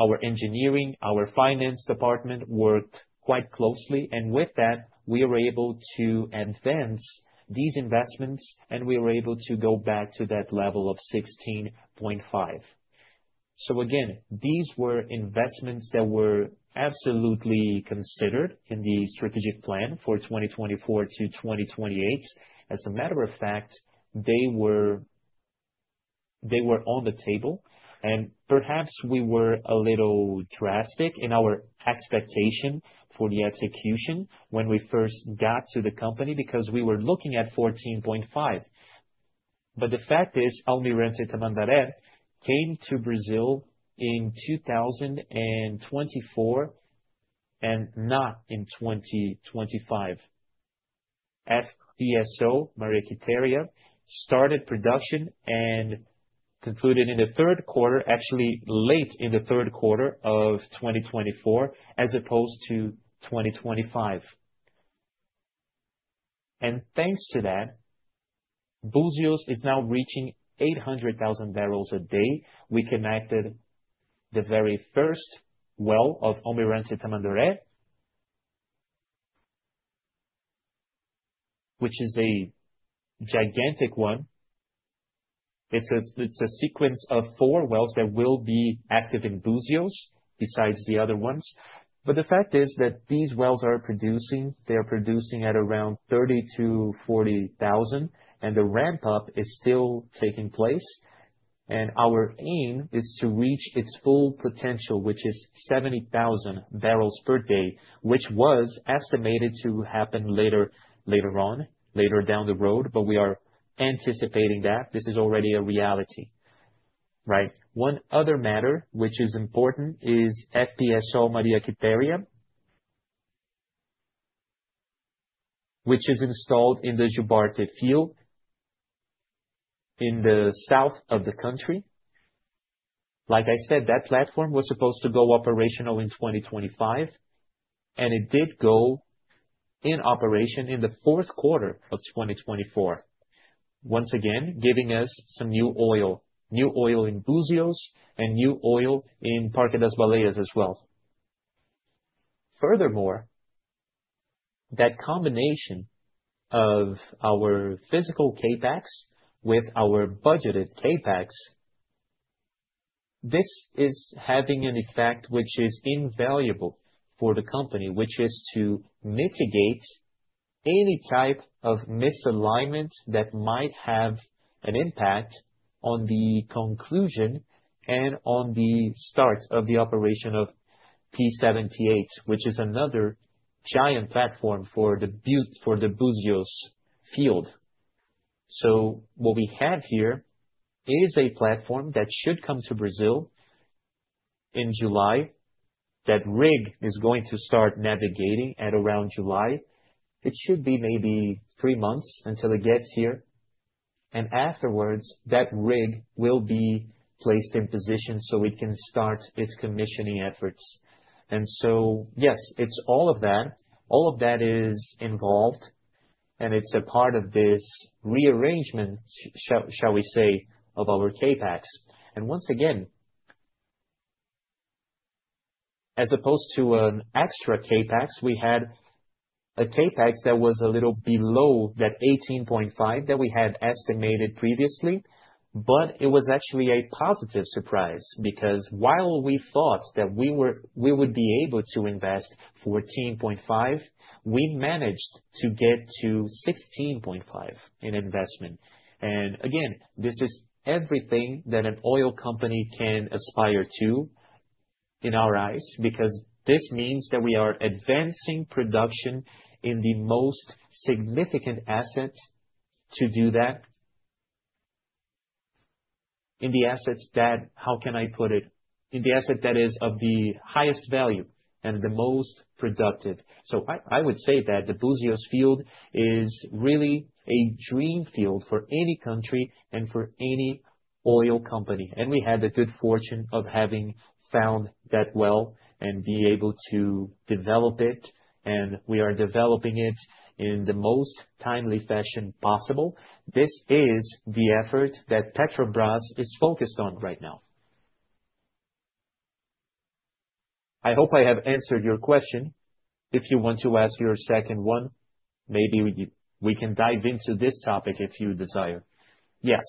Our engineering, our finance department worked quite closely. With that we were able to advance these investments and we were able to go back to that level of 16.5. Again, these were investments that were absolutely considered in the strategic plan for 2024-2028. As a matter of fact, they were on the table. Perhaps we were a little drastic in our expectation for the execution when we first got to the company, because we were looking at 14.5. But the fact is Almirante Tamandaré came to Brazil in 2024 and not in 2025. FPSO Maria Quitéria started production and concluded in the third quarter, actually late in the third quarter of 2024 and as opposed to 2025. Thanks to that, Búzios is now reaching 800,000 bpd. We connected the very first well of Almirante Tamandaré, which is a gigantic one. It's a sequence of four wells that will be active in Búzios besides the other ones. But the fact is that these wells are producing, they are producing at around 30,000-40,000 and the ramp up is still taking place. And our aim is to reach its full potential, which is 70,000 bpd, which was estimated to happen later on, later down the road. But we are anticipating that this is already a reality. Right? One other matter which is important is FPSO Maria Quitéria, which is installed in the Jubarte field in the south of the country. Like I said, that platform was supposed to go operational in 2025, and it did go in operation in the fourth quarter of 2024, once again giving us some new oil. New oil in Búzios and new oil in Parque das Baleias as well. Furthermore, that combination of our physical CapEx with our budgeted. CapEx, this is. Having an effect which is invaluable for the company, which is to mitigate any type of misalignment that might have an impact on the conclusion and on the start of the operation of P-78, which is another giant platform for the Búzios Field. So what we have here is a platform that should come to Brazil in July. That rig is going to start navigating at around July. It should be maybe three months until it gets here. And afterwards that rig will be placed in position so it can start its commissioning efforts. And so, yes, it's all of that, all of that is involved and it's a part of this rearrangement shall we say, of our CapEx. And once. Again, as opposed to. An extra CapEx, we had a CapEx that was a little below that 18.5 that we had estimated previously, but it was actually a positive surprise because while we thought that we would be able to invest 14.5, we managed to get to 16.5 in investment, and again, this is everything that an oil company can aspire to in our eyes, because this means that we are advancing production in the most significant asset to do that in the assets that, how can I put it? In the asset that is of the highest value and the most productive, so I would say that the Búzios Field is really a dream field for any country and for any oil company, and we had the good fortune of having found that well and be able to develop it, and we are developing it in the most timely fashion possible. This is the effort that Petrobras is focused on right now. I hope I have answered your question, if you want to ask your second one. Maybe we can dive into this topic if you desire. Yes,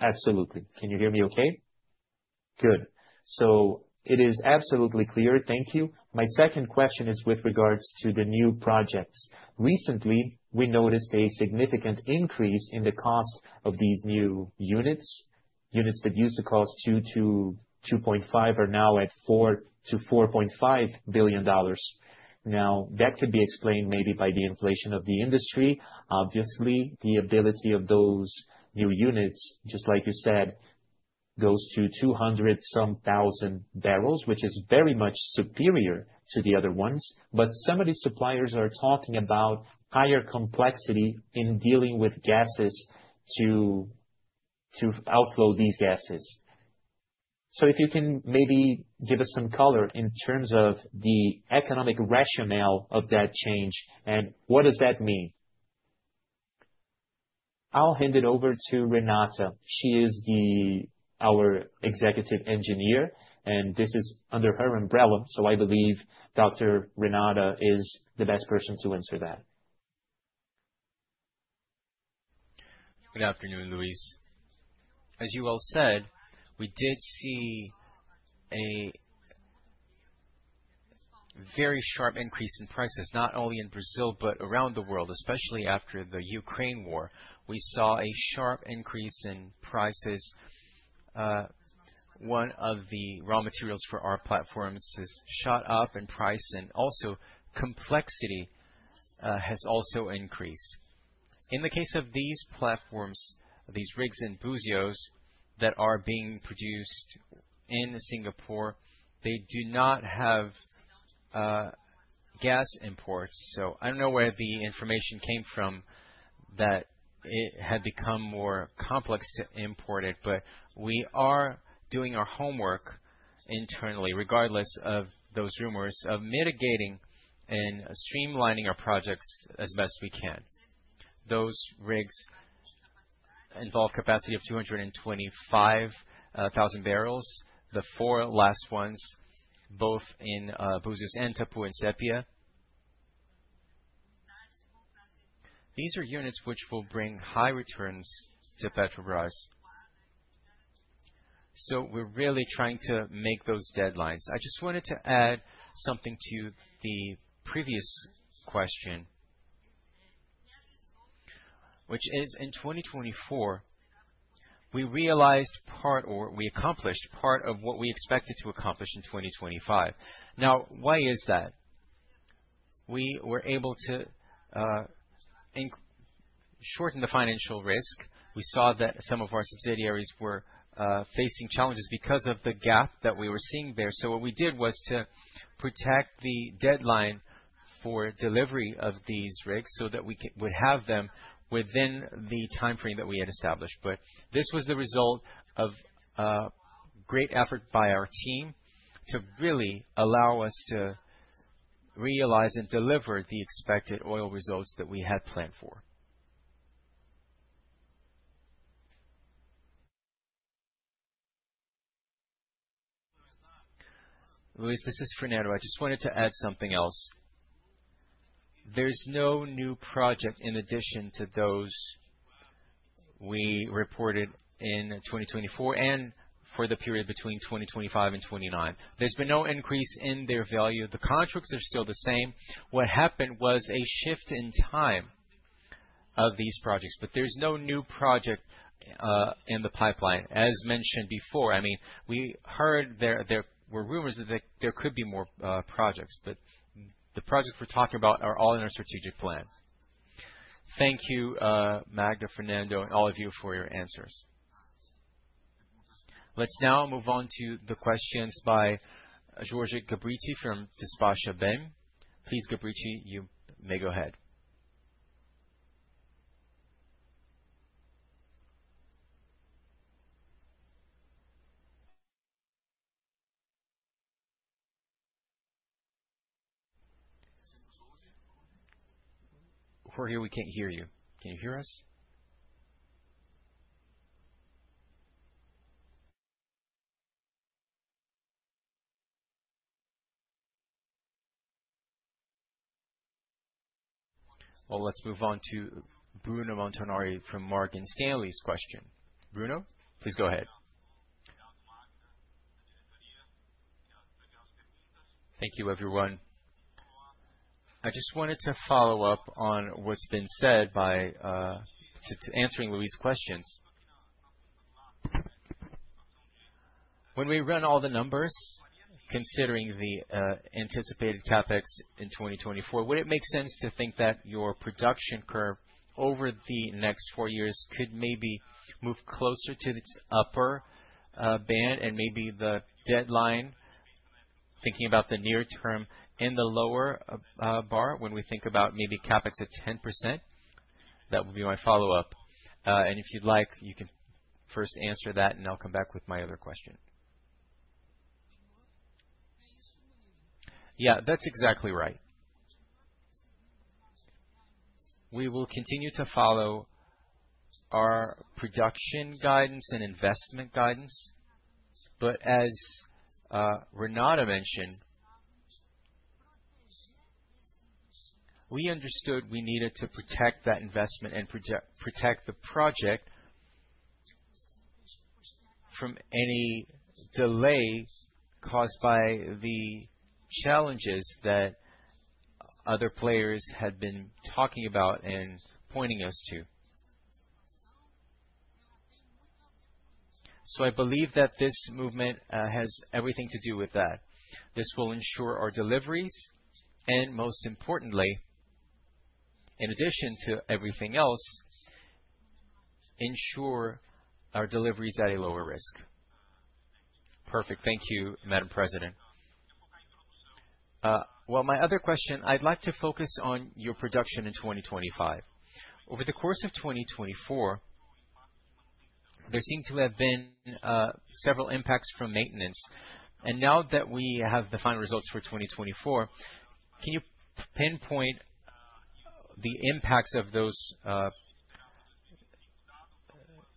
absolutely. Can you hear me? Okay, good. So it is absolutely clear. Thank you. My second question is with regards to the new projects. Recently we noticed a significant increase in the cost of these new units. Units that used to cost $2 billion-$2.5 billion are now at $4 billion-$4.5 billion. Now, that could be explained maybe by the inflation of the industry. Obviously, the ability of those new units, just like you said, goes to 200-some thousand barrels, which is very much superior to the other ones. But some of these suppliers are talking about higher complexity in dealing with gases to outflow these gases. So if you can maybe give us some color in terms of the economic rationale of that change. And what does that mean? I'll hand it over to Renata. She is our executive engineer and this is under her umbrella. So I believe Dr. Renata is the best person to answer. That. Good afternoon, Luis. As you all said, we did see a very sharp increase in prices not only in Brazil, but around the world. Especially after the Ukraine war, we saw a sharp increase in prices. One of the raw materials for our platforms has shot up in price, and also complexity has increased. In the case of these platforms, these rigs and Búzios that are being produced in Singapore, they do not have gas imports. So I don't know where the information came from that it had become more complex to import it. But we are doing our homework internally. Regardless of those rumors of mitigating and streamlining our projects as best we can, those rigs involve capacity of 225,000 bbl. The four last ones, both in Búzios and Tupi and Sepia. These are units which will bring high returns to Petrobras. So we're really trying to make those deadlines. I just wanted to add something to the previous question, which is in 2024 we realized part or we accomplished part of what we expected to accomplish in 2025. Now why is that? We were able to shorten the financial risk. We saw that some of our subsidiaries were facing challenges because of the gap that we were seeing there. So what we did was to protect the deadline for delivery of these rigs so that we would have them within the time frame that we had established. But this was the result of great effort by our team to really allow us to realize and deliver the expected oil results that we had planned for. Luis, this is Fernando. I just wanted to add something else. There's no new project in addition to those we reported in 2024. And for the period between 2025 and 2029, there's been no increase in their value. The contracts are still the same. What happened was a shift in time of these projects, but there's no new project in the pipeline as mentioned before. I mean, we heard there were rumors that there could be more projects, but the projects we're talking about are all in our strategic plan. Thank you, Magda, Fernando and all of you for your answers. Let's now move on to the questions by Jorge Beristain from Deutsche Bank. Please Beristain, you may go ahead. Jorge, we can't hear you. Can you hear us? Well, let's move on to Bruno Montanari from Morgan Stanley's question. Bruno, please go ahead. Thank you everyone. I just wanted to follow up on what's been said by answering Luis's questions. When we run all the numbers. Considering the anticipated CapEx in 2024, would it make sense to think that your production curve over the next four years could maybe move closer to its upper band and maybe the downside thinking about the near term in the lower band? When we think about maybe CapEx at 10%, that would be my follow up. And if you'd like, you can first answer that and I'll come back with my other question. Yeah, that's exactly right. We will continue to follow our production guidance and investment guidance. But as Renata mentioned, we understood we needed to protect that investment and protect the project from any delay caused by the challenges that other players had been talking about and pointing us to. So I believe that this movement has everything to do with that. This will ensure our deliveries and most importantly, in addition to everything else, ensure our deliveries at a lower risk. Perfect. Thank you, Madam President. Well, my other question. I'd like to focus on your production in 2025. Over the course of 2024, there seem to have been several impacts from maintenance. And now that we have the final results for 2024, can you pinpoint the impacts of those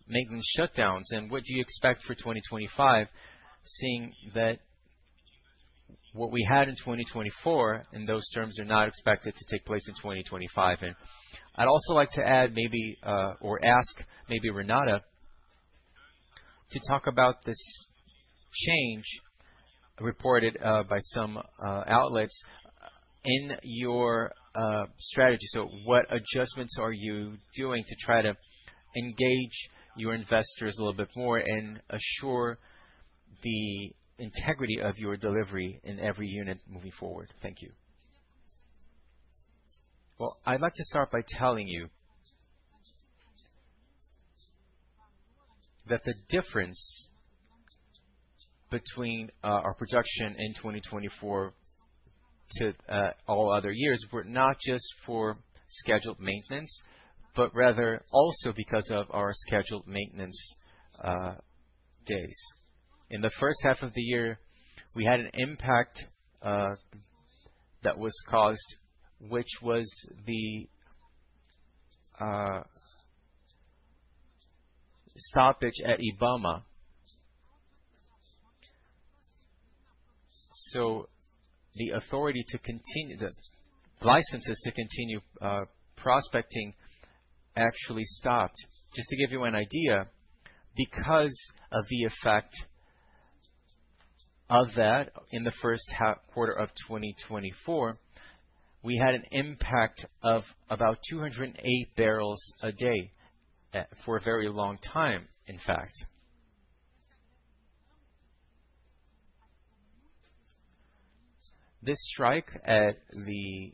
maintenance shutdowns and what do you expect for 2025, seeing that what we had in 2024 and those terms are not expected to take place in 2025? I'd also like to add maybe, or ask maybe Renata to talk about this change reported by some outlets in your strategy. So what adjustments are you doing to try to engage your investors a little bit more and assure the integrity of your delivery in every unit moving forward? Thank you. I'd like to start by. Telling. Note that the difference between our production in 2024 to all other years were not just for scheduled maintenance, but rather also because of our scheduled maintenance days. In the first half of the year, we had an impact that was caused, which was the stoppage at IBAMA. So the authority to continue the licenses to continue prospecting actually stopped. Just to give you an idea, because of the effect of that. In the first quarter of 2024, we had an impact of about 208 bpd for a very long time. In fact, this strike at the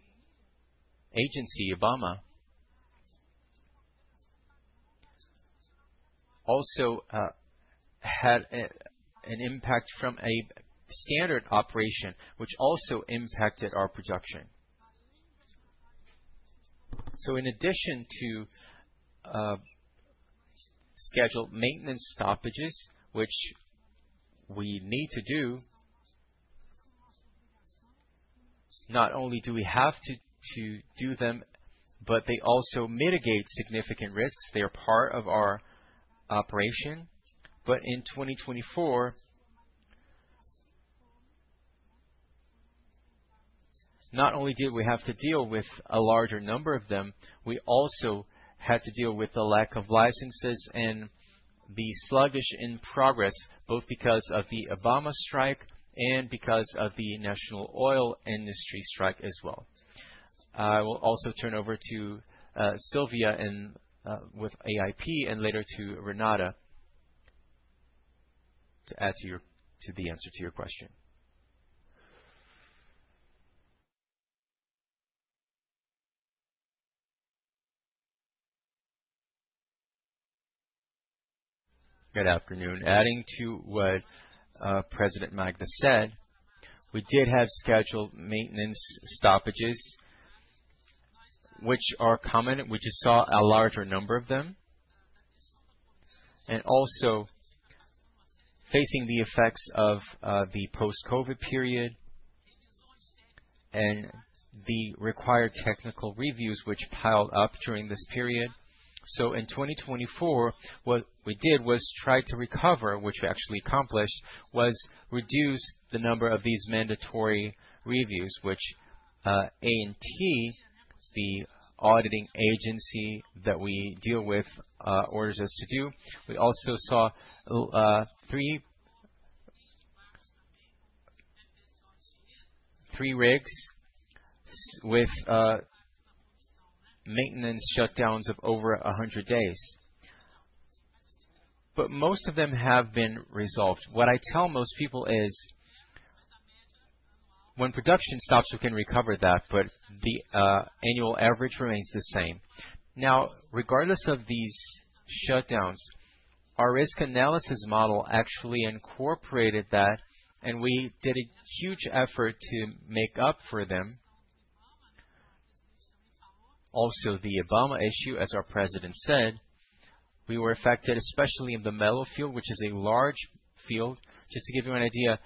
agency IBAMA also had an impact from a standard operation which also impacted our production. So in addition to scheduled maintenance stoppages, which we need to do, not only do we have to do them, but they also mitigate significant risks. They are part of our operation. But in 2024, not only did we have to deal with a larger number of them, we also had to deal with the lack of licenses and be sluggish in progress, both because of the IBAMA strike and because of the national oil industry strike as well. I will also turn over to Sylvia with E&P and later to Renata to add to the answer to your question. Good afternoon. Adding to what President Magda said, we did have scheduled maintenance stoppages which are common. We just saw a larger number. Of. Then and also facing the effects of the post-COVID period and the required technical reviews which piled up during this period. So in 2024, what we did was try to recover, which we actually accomplished was reduce the number of these mandatory reviews which ANP, the auditing agency that we deal with, orders us to do. We also saw three rigs with maintenance shutdowns of over 100 days. But most of them have been resolved. What I tell most people is when production stops, you can recover that, but the annual average remains the same. Now, regardless of these shutdowns, our risk analysis model actually incorporated that and we did a huge effort to make up for them. Also, the IBAMA issue, as our president said, we were affected especially in the Mero Field, which is a large field. Just to give you an idea,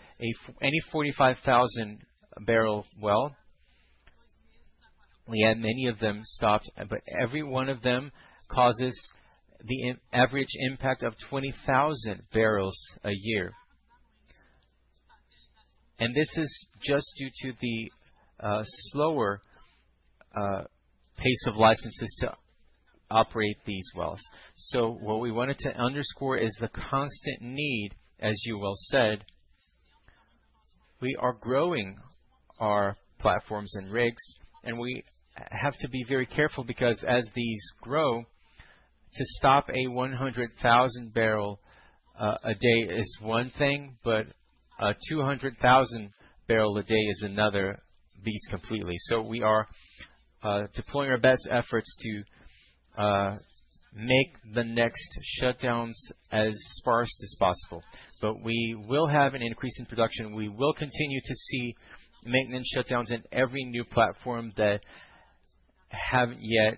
any 45,000-barrel well, we had many of them stopped, but every one of them causes the average impact of 20,000 barrels a year, and this is just due to the slower pace of licenses to operate these wells, so what we wanted to underscore is the constant need. As you well said, we are growing our platforms and rigs and we have to be very careful because as these grow, to stop, a 100,000-bpd is one thing, but 200,000-bpd is another beast completely, so we are deploying our best efforts to make the next shutdowns as sparse as possible, but we will have an increase in production. We will continue to see maintenance shutdowns in every new platform that haven't yet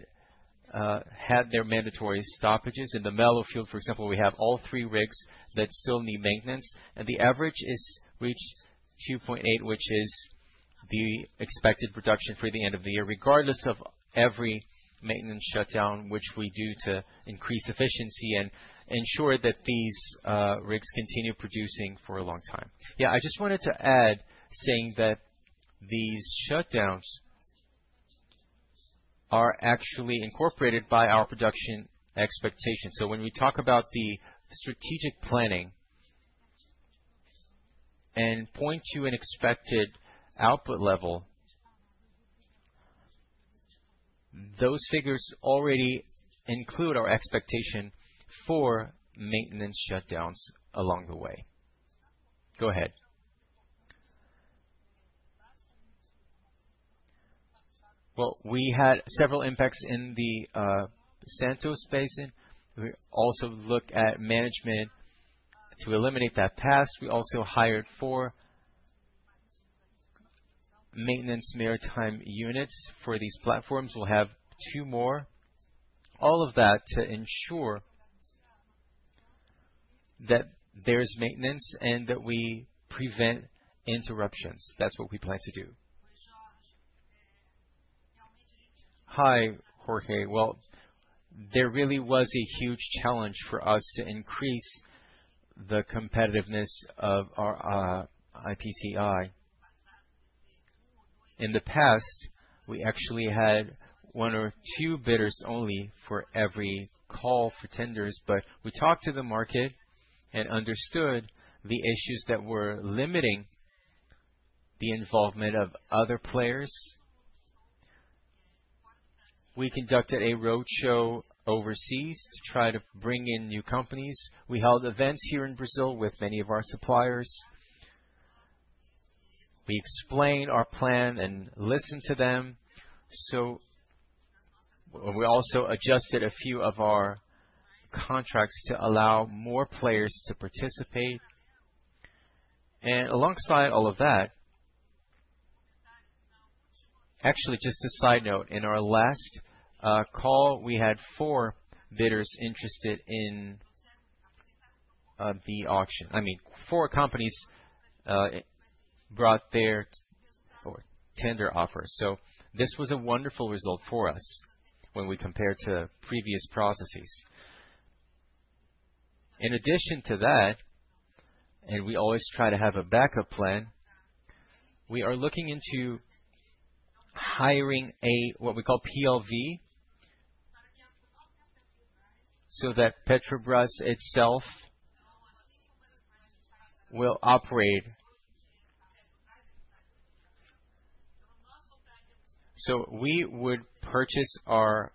had their mandatory stoppages. In the Mero Field, for example, we have all three rigs that still need maintenance and the average is reached 2.8, which is the expected production for the end of the year, regardless of every maintenance shutdown, which we do to increase efficiency and ensure that these rigs continue producing for a long time. Yeah, I just wanted to add saying that these shutdowns are actually incorporated by our production expectations. So when we talk about the strategic planning and point to an expected output level, those figures already include our expectation for maintenance shutdowns along the way. Go ahead. Well, we had several impacts in the Santos Basin. We also look at management to eliminate that past. We also hired four maintenance maritime units for these platforms. We'll have two more. All of that to ensure that there's maintenance and that we prevent interruptions. That's what we plan to do. Hi, Jorge. Well, there really was a huge challenge for us to increase the competitiveness of our EPCI. In the past, we actually had one or two bidders only for every call for tenders. But we talked to the market and understood the issues that were limiting the involvement of other players. We conducted a roadshow overseas to try to bring in new companies. We held events here in Brazil with many of our suppliers. We explained our plan and listened to them. We also adjusted a few of our contracts to allow more players to participate, and alongside all of that, actually, just a side note, in our last call, we had four bidders interested in the auction. I mean, four companies brought their tender offers, so this was a wonderful result for us when we compared to previous processes. In addition to that, and we always try to have a backup plan. We are looking into hiring a, what we call PLV so that Petrobras itself will operate. So we would purchase our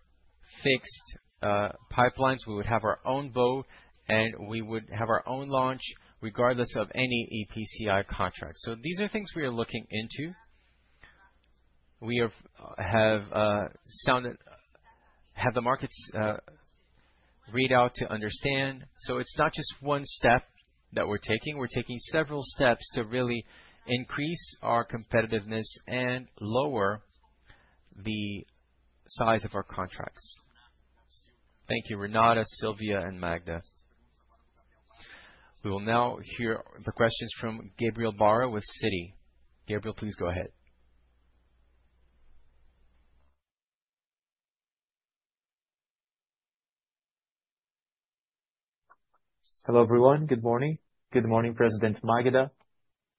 fixed pipelines, we would have our own boat, and we would have our own launch, regardless of any EPCI contract. So these are things we are looking into. We have the market's readout to understand. So it's not just one step that we're taking, we're taking several steps to really increase our competitiveness and, and lower the size of our contracts. Thank you, Renata, Sylvia and Magda. We will now hear the questions from Gabriel Barra with Citi. Gabriel, please go ahead. Hello everyone. Good morning. Good morning, President Magda, a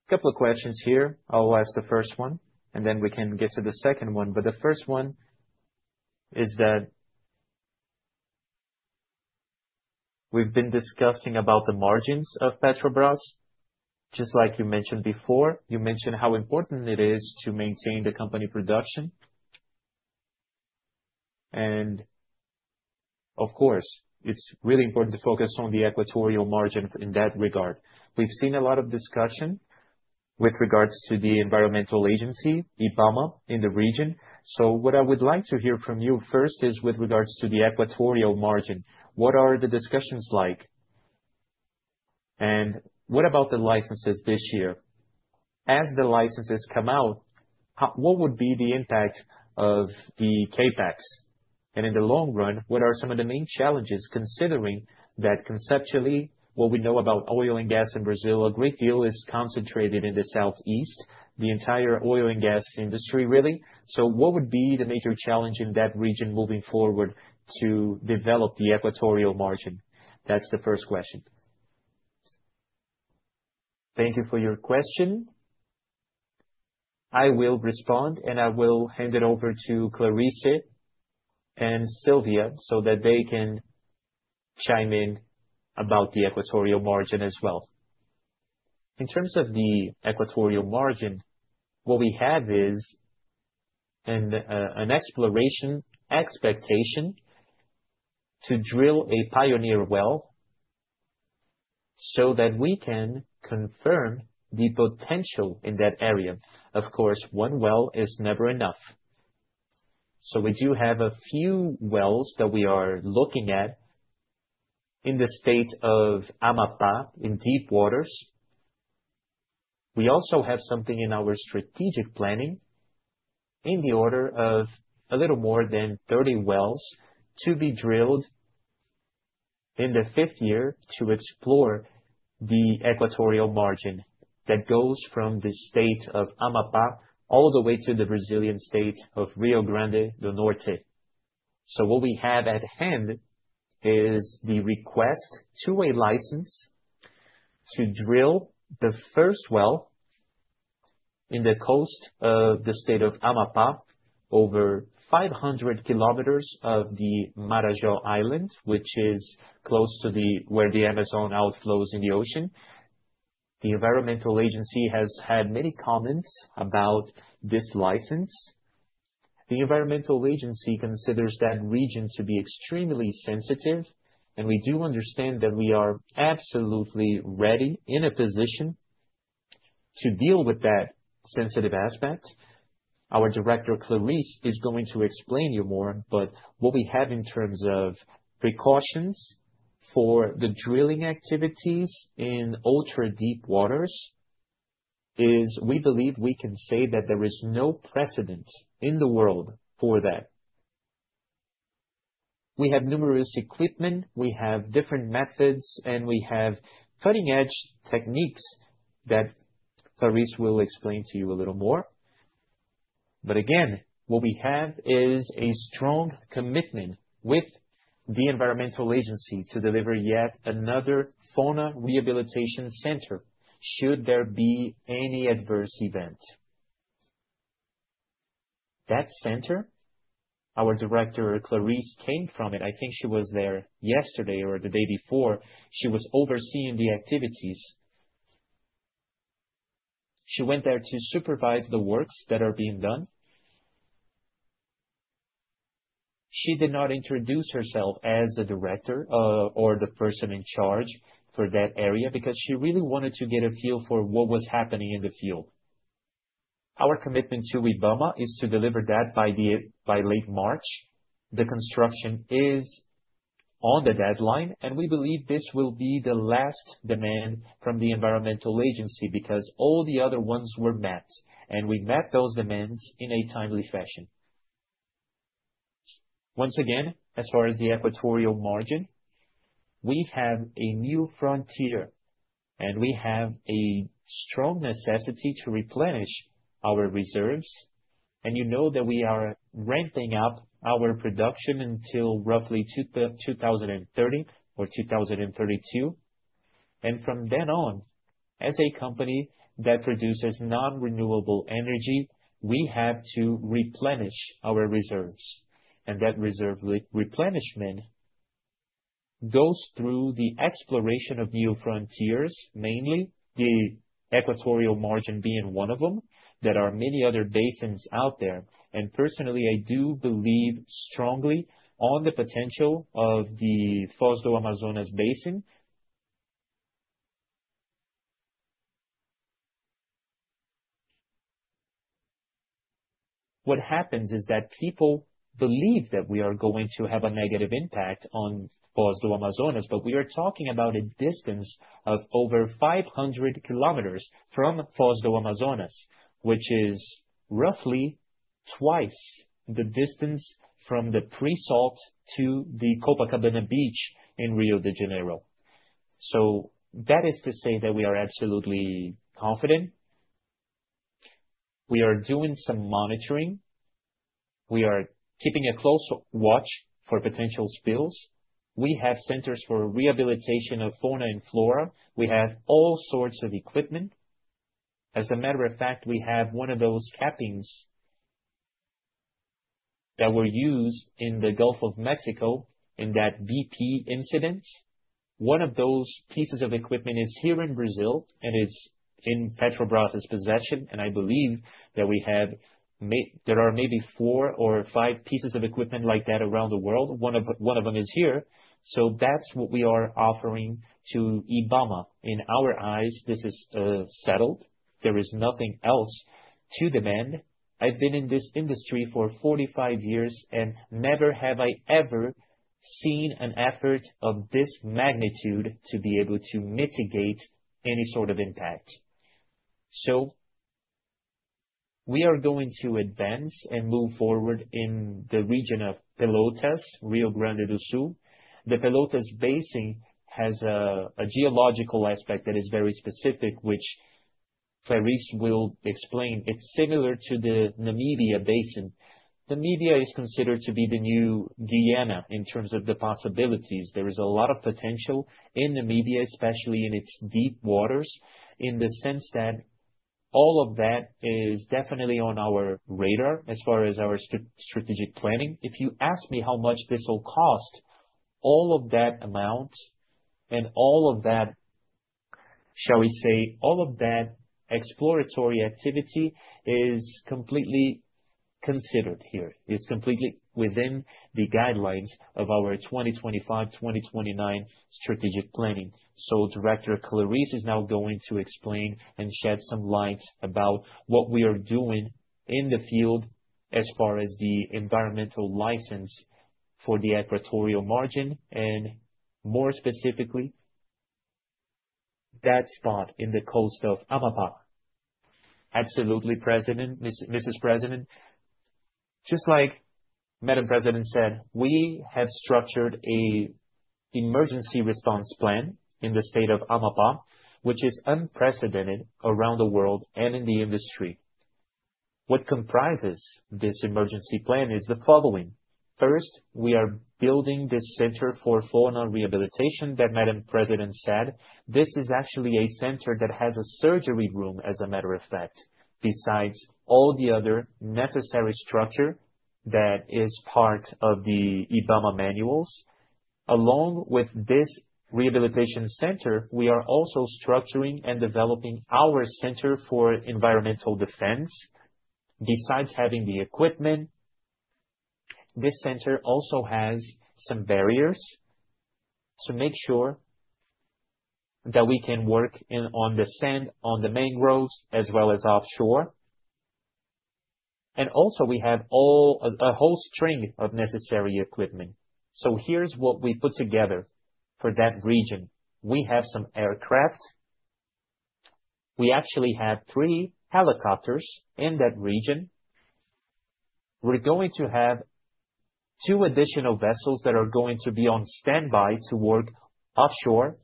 couple of questions here. I'll ask the first one and then we can get to the second one. But the first one is. That. We've been discussing about the margins of Petrobras. Just like you mentioned before, you mentioned how important it is to maintain the company production and of course it's really important to focus on the Equatorial Margin in that regard. We've seen a lot of discussion with regards to the environmental agency IBAMA in the region. So what I would like to hear from you first is with regards to the Equatorial Margin, what are the discussions like and what about the licenses this year, as the licenses come out, what would be the impact of the CapEx? And in the long run, what are some of the main challenges, considering that conceptually, what we know about oil and gas in Brazil, a great deal is concentrated in the southeast. The entire oil and gas industry, really. What would be the major challenge in that region moving forward to develop the Equatorial Margin? That's the first question. Thank you for your question. I will respond and I will hand it over to Clarice Coppetti, so that they can chime in about the Equatorial Margin as well. In terms of the Equatorial Margin, what we have is an exploration expectation to drill a pioneer well so that we can confirm the potential in that area. Of course, one well is never enough. We do have a few wells that we are looking at in the state of Amapá in deep waters. We also have something in our strategic planning in the order of a little more than 30 wells to be drilled in the fifth year to explore the Equatorial Margin. That goes from the state of Amapá all the way to the Brazilian state of Rio Grande do Norte. So what we have at hand is the request to a license to drill the first well in the coast of the state of Amapá. Over 500 km of the Marajó Island. Which is close to where the Amazon outflows in the ocean. The Environmental Agency has had many comments about this license. The environmental agency considers that region to be extremely sensitive. And we do understand that we are absolutely ready in a position to deal with that sensitive aspect. Our director Clarice is going to explain you more. But what we have in terms of precautions for the drilling activities in ultra deep waters is we believe we can say that there is no precedent in the world for that. We have numerous equipment, we have different methods. And we have cutting edge techniques that Clarice will explain to you a little more. But again, what we have is a strong commitment with the environmental agency. To deliver yet another fauna rehabilitation center should there be any adverse event. That center, our Director Clarice, came from it. I think she was there yesterday or the day before. She was overseeing the activities. She went there to supervise the works that are being done. She did not introduce herself as the director or the person in charge for that area. Because she really wanted to get a feel for what was happening in the field. Our commitment to IBAMA is to deliver that by late March. The construction is on the deadline. And we believe this will be the last demand from the environmental agency. Because all the other ones were met. We met those demands in a timely fashion. Once again, as far as the Equatorial Margin, we have a new frontier. We have a strong necessity to replenish our reserves. You know that we are ramping up our production until roughly 2030 or 2032. From then on, as a company that produces non-renewable energy, we have to replenish our reserves. That reserve replenishment goes through the exploration of new frontiers. Mainly the Equatorial Margin being one of them. There are many other basins out there. Personally, I do believe strongly on the potential of the Foz do Amazonas Basin. What happens is that people believe that we are going to have a negative impact on Foz do Amazonas. But we are talking about a distance of over 500 km from Foz do Amazonas. Which is roughly twice the distance from the pre-salt to the Copacabana Beach in Rio de Janeiro. So that is to say that we are absolutely confident. We are doing some monitoring. We are keeping a close watch for potential spills. We have centers for rehabilitation of fauna and flora. We have all sorts of equipment. As a matter of fact, we have one of those cappings that were used in the Gulf of Mexico in that BP incident. One of those pieces of equipment is here in Brazil and it's in Petrobras possession. And I believe that we have. There are maybe four or five pieces of equipment like that around the world. One of them is here. So that's what we are offering to IBAMA. In our eyes, this is settled. There is nothing else to demand. I've been in this industry for 45 years and never have I ever seen an effort of this magnitude to be able to mitigate any sort of impact. So we are going to advance and move forward. In the region of Rio Grande do Sul, the Pelotas Basin has a geological aspect that is very specific, which Sylvia will explain. It's similar to the Namibia Basin. Namibia is considered to be the new Guyana. In terms of the possibilities. There is a lot of potential in Namibia, especially in its deep waters, in the sense that all of that is definitely on our radar. As far as our strategic planning. If you ask me how much this will cost, all of that amount and all of that, shall we say, all of that exploratory activity is completely considered here. It's completely within the guidelines of our 2025, 2029 strategic planning. Director Clarice is now going to explain and shed some light about what we are doing in the field as far as the environmental license for the Equatorial Margin and more specifically that spot in the coast of Amapá. Absolutely, President. Mrs. President. Just like Madam President said, we have structured an emergency response plan in the state of Amapá, which is unprecedented around the world and in the industry. What comprises this emergency plan is the following. First, we are building this center for fauna rehabilitation that Madam President said this is actually a center that has a surgery room. As a matter of fact, besides all the other necessary structure that is part of the IBAMA manuals, along with this rehabilitation center, we are also structuring and developing our center for environmental defense. Besides having the equipment, this center also has some barriers to make sure that we can work on the sand, on the mangroves as well as offshore, and also we have a whole string of necessary equipment, so here's what we put together for that region. We have some aircraft. We actually have three helicopters in that region. We're going to have two additional vessels that are going to be on standby to work offshore.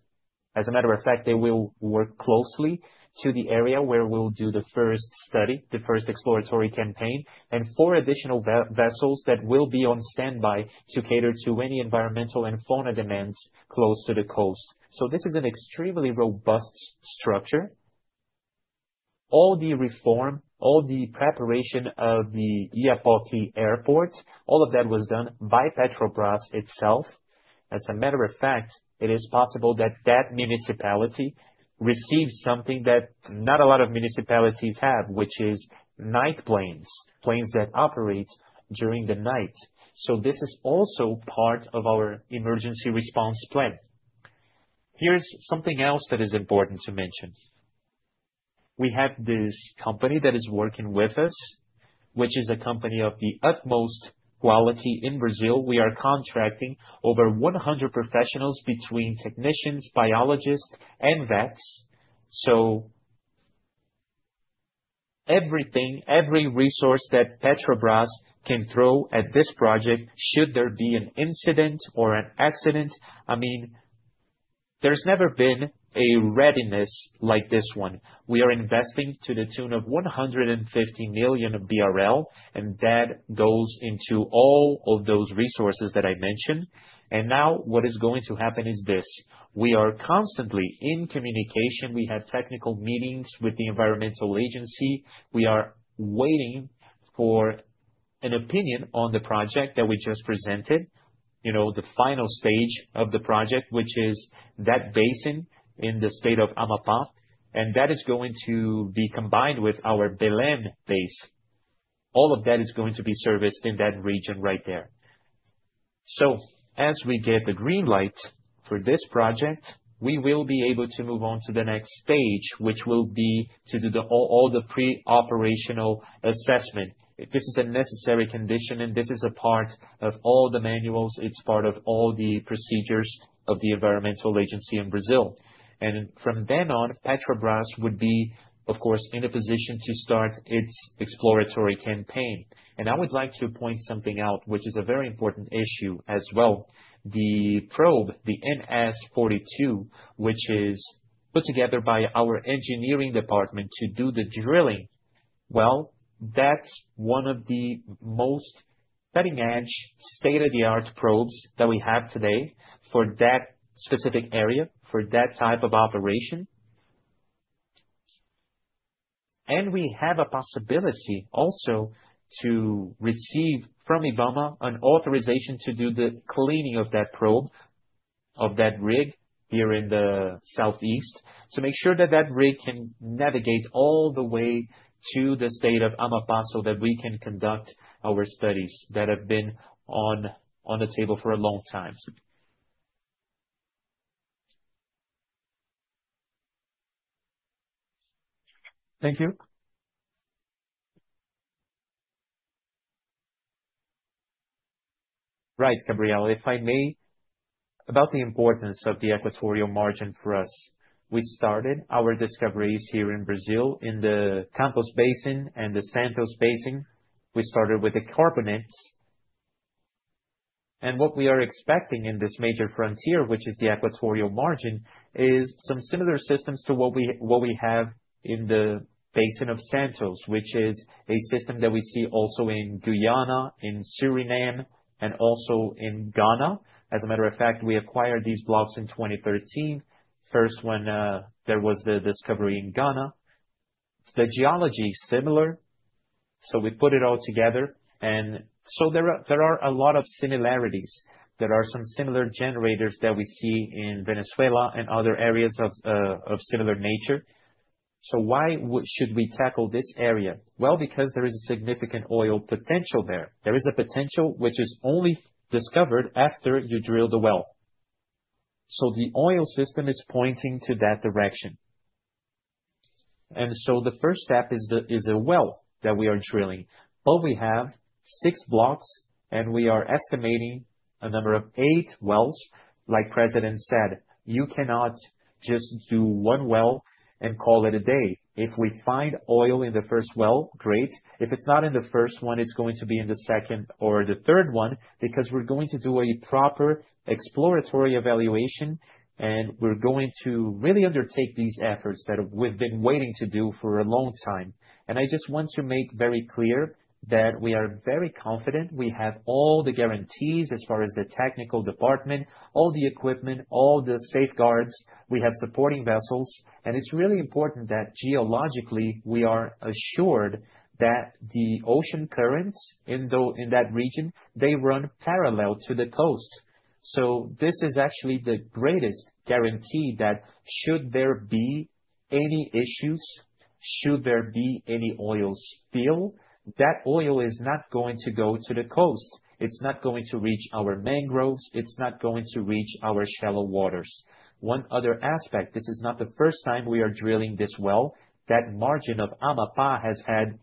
As a matter of fact, they will work close to the area where we'll do the first study, the first exploratory campaign, and four additional vessels that will be on standby to cater to any environmental and fauna demands close to the coast, so this is an extremely robust structure. All the reform, all the preparation of the Oiapoque Airport, all of that was done by Petrobras itself. As a matter of fact, it is possible that that municipality receives something that not a lot of municipalities have, which is night planes, planes that operate during the night. So this is also part of our emergency response plan. Here's something else that is important to mention. We have this company that is working with us, which is a company of the utmost quality in Brazil. We are contracting over 100 professionals between technicians, biologists and vets. So everything, every resource that Petrobras can throw at this project, should there be an incident or an accident. I mean, there's never been a readiness like this one. We are investing to the tune of 150 million BRL, and that goes into all of those resources that I mentioned, and now what is going to happen is this. We are constantly in communication. We have technical meetings with the environmental agency. We are waiting for an opinion on the project that we just presented. You know, the final stage of the project, which is that basin in the state of Amapá, and that is going to be combined with our Belém base. All of that is going to be serviced in that region right there, so as we get the green light for this project, we will be able to move on to the next stage, which will be to do all the pre operational assessment. This is a necessary condition, and this is a part of all the manuals. It's part of all the procedures of the environmental agency in Brazil, and from then on Petrobras would be of course in a position to start its exploratory campaign. I would like to point something out which is a very important issue as well. The rig, the NS-42, which is put together by our engineering department to do the drilling. That's one of the most cutting-edge, state-of-the-art rigs that we have today for that specific area, for that type of operation. We have a possibility also to receive from IBAMA an authorization to do the cleaning of that rig here in the southeast, to make sure that that rig can navigate all the way to the state of Amapá, that we can conduct our studies that have been on the table for a long. Thank you. Right. Gabriel, if I may, about the importance of the Equatorial Margin. For us, we started our discoveries here in Brazil in the Campos Basin and the Santos Basin. We started with the carbonates. And what we are expecting in this major frontier, which is the Equatorial Margin, is some similar systems to what we have in the Santos Basin, which is a system that we see also in Guyana, in Suriname, and also in Ghana. As a matter of fact, we acquired these blocks in 2013, first when there was the discovery in Ghana, the geology similar. So we put it all together. And so there are a lot of similarities. There are some similar generators that we see in Venezuela and other areas of similar nature. So why should we tackle this area? Well, because there is a significant oil potential there. There is a potential which is only discovered after you drill the well. So the oil system is pointing to that direction. And so the first step is a well that we are drilling, but we have six blocks and we are estimating a number of eight wells. Like President said, you cannot just do one well and call it a day. If we find oil in the first well, great. If it's not in the first one, it's going to be in the second or the third one. Because we're going to do a proper exploratory evaluation. And we're going to really undertake these efforts that we've been waiting to do for a long time. And I just want to make very clear that we are very confident. We have all the guarantees as far as the technical department, all the equipment, all the safeguards. We have supporting vessels. And it's really important that geologically we are assured that the ocean currents in that region, they run parallel to the coast. This is actually the greatest guarantee that should there be any issues, should there be any oil spill, that oil is not going to go to the coast. It's not going to reach our mangroves. It's not going to reach our shallow waters. One other aspect, this is not the first time we are drilling this well. That margin of Amapá has had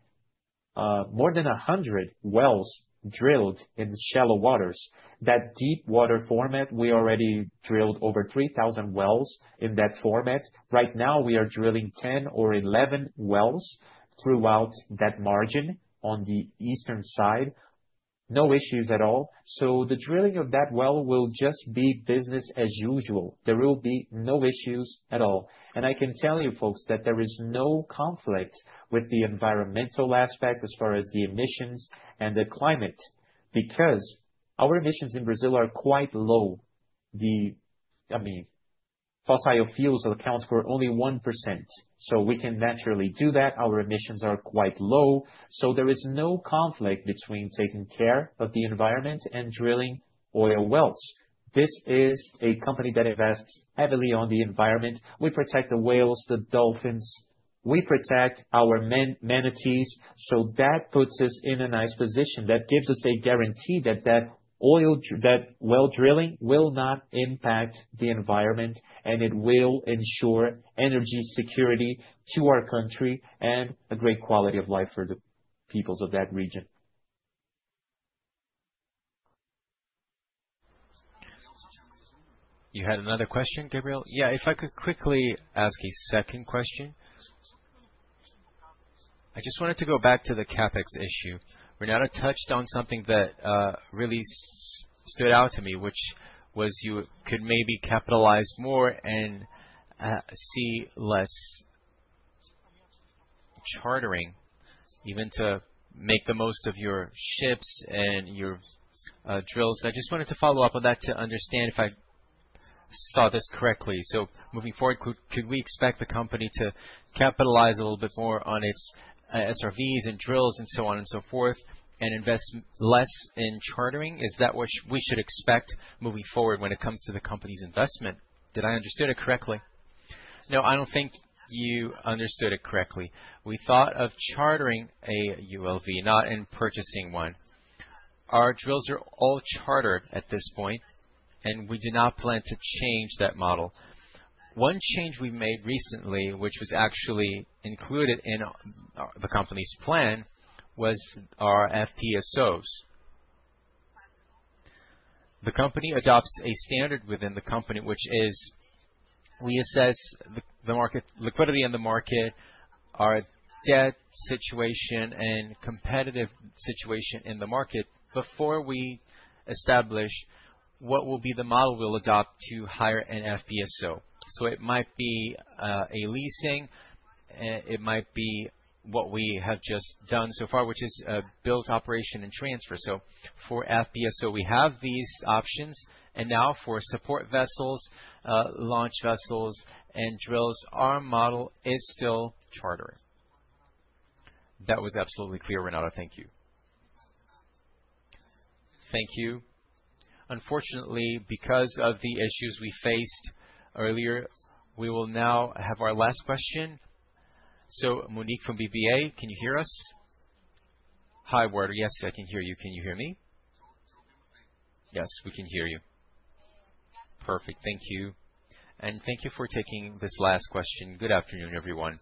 more than 100 wells drilled in shallow waters. That deep water format, we already drilled over 3,000 wells in that format. Right now we are drilling 10 or 11 wells throughout that margin on the eastern side. No issues at all. So the drilling of that well will just be business as usual. There will be no issues at all. And I can tell you folks that there is no conflict with the environmental aspect as far as the emissions and the climate. Because our emissions in Brazil are quite low. Fossil fuels account for only 1%. So we can naturally do that. Our emissions are quite low. So there is no conflict between taking care of the environment and drilling oil wells. This is a company that invests heavily on the environment. We protect the whales, the dolphins, we protect our manatees. So that puts us in a nice position that gives us a guarantee that well drilling will not impact the environment, and it will ensure energy security to our country and a great quality of life for the peoples of that. Region. You had another question, Gabriel? Yeah, if I could quickly ask a second question. I just wanted to go back to the CapEx issue. Renata touched on something that really stood out to me, which was you could maybe capitalize more and see less chartering, even to make the most of your ships and your. I just wanted to follow up on that to understand, if I saw this correctly. So moving forward, could we expect the company to capitalize a little bit more on its SRVs and drills and so on and so forth, and invest less in chartering? Is that what we should expect moving forward when it comes to the company's investment? Did I understood it correctly? No, I don't think you understood it correctly. We thought of chartering a ULV, not in purchasing one. Our drills are all chartered at this point, and we do not plan to change that model. One change we made recently, which was actually included in the company's plan was our FPSOs. The company adopts a standard within the company, which is we assess the market liquidity in the market, our debt situation, and competitive situation in the market before we establish what will be the model we'll adopt to hire an FPSO. So it might be a leasing, it might be what we have just done so far, which is build, operate and transfer. So for FPSO, we have these options. And now for support vessels, launch vessels and drills, our model is still charter. That was absolutely clear. Renata. Thank you. Thank you. Unfortunately, because of the issues we faced earlier, we will now have our last question. So, Monique from BBA, can you hear us? Hi, Ward. Yes, I can hear you. Can you hear me? Yes, we can hear you. Perfect. Thank you. And thank you for taking this last question. Good afternoon, everyone.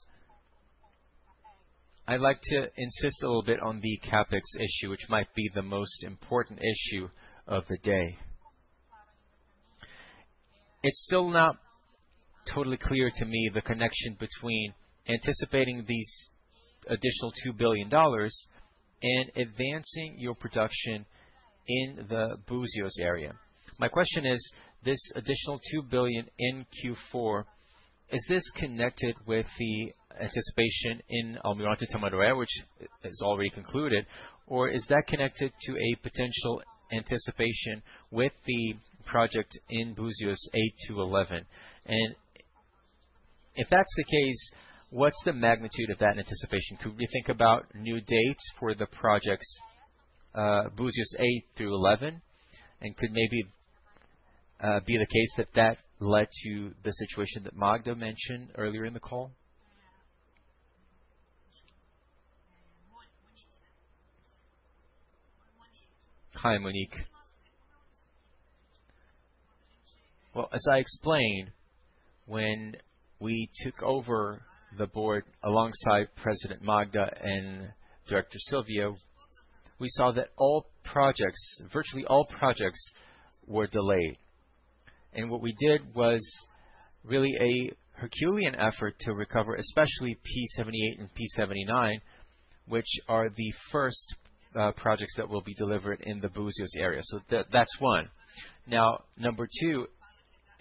I'd like to insist a little bit on the CapEx issue, which might be the most important issue of the day. It's still not totally clear to me the connection between anticipating these additional $2 billion and advancing your production in the Búzios area. My question is this additional $2 billion in Q4, is this connected with the anticipation in Almirante Tamandaré, which is already concluded, or is that connected to a potential anticipation with the project in Búzios 8-11. And if that's the case, what's the magnitude of that anticipation? Could we think about new dates for the projects, Búzios 8 through 11? And could maybe be the case that that led to the situation that Magda mentioned earlier in the call? Hi, Monique. Well, as I explained, when we took over the board alongside President Magda and Director Sylvia, we saw that all projects, virtually all projects were delayed. And what we did was really a Herculean effort to recover, especially P-78 and P-79, which are the first, first projects that will be delivered in the Búzios area. So that's one. Now, number two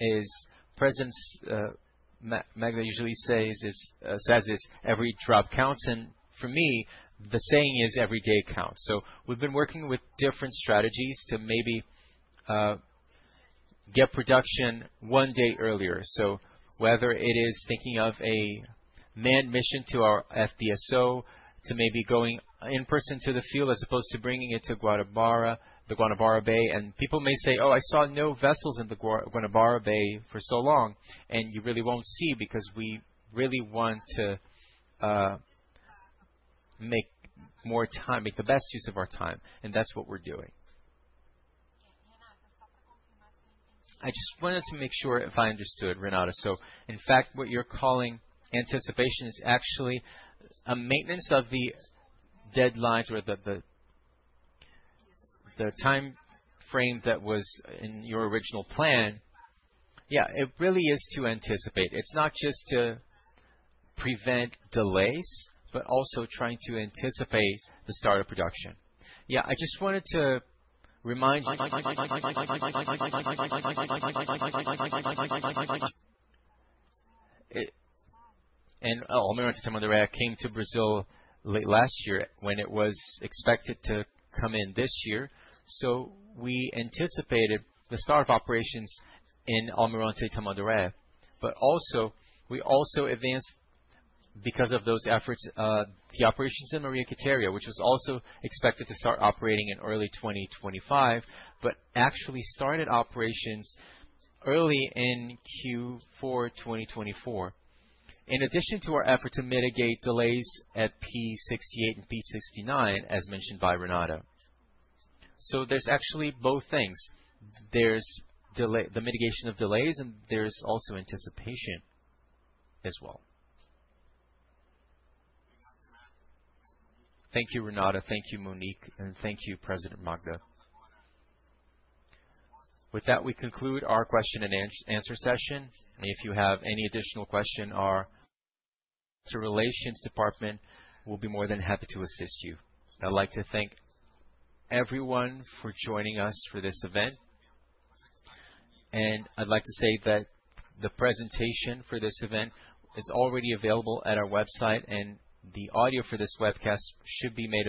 is presence. Magda usually says is every drop counts. And for me, the saying is every day counts. So we've been working with different strategies to maybe get production one day earlier. So whether it is thinking of a manned mission to our FPSO, to maybe going in person to the field, as opposed to bringing it to the Guanabara Bay. People may say, oh, I saw no vessels in the Guanabara Bay for so long. You really won't see, because we really want to make more time, make the best use of our time, and that's what we're doing. I just wanted to make sure if I understood, Renata. So in fact, what you're calling anticipation is actually a maintenance of the deadlines or the time frame that was in your original plan. Yeah, it really is to anticipate. It's not just to prevent delays, but also trying to anticipate the start of production. Yeah, I just wanted to remind you. Almirante Tamandaré came to Brazil late last year when it was expected to come in this year. So we anticipated the start of operations in Almirante Tamandaré, but also we also advanced, because of those efforts, the operations in Maria Quitéria, which was also expected to start operating in early 2025, but actually started operations early in Q4, 2024, in addition to our effort to mitigate delays at P-78 and P-79, as mentioned by Renata. So there's actually both things. There's the mitigation of delays, and there's also anticipation as. Thank you, Renata. Thank you, Monique, and thank you, President Magda. With that, we conclude our question and answer session. If you have any additional question, our relations department will be more than happy to assist you. I'd like to thank everyone for joining us for this event, and I'd like to say that the presentation for this event is already available at our website and the audio for this webcast should be made.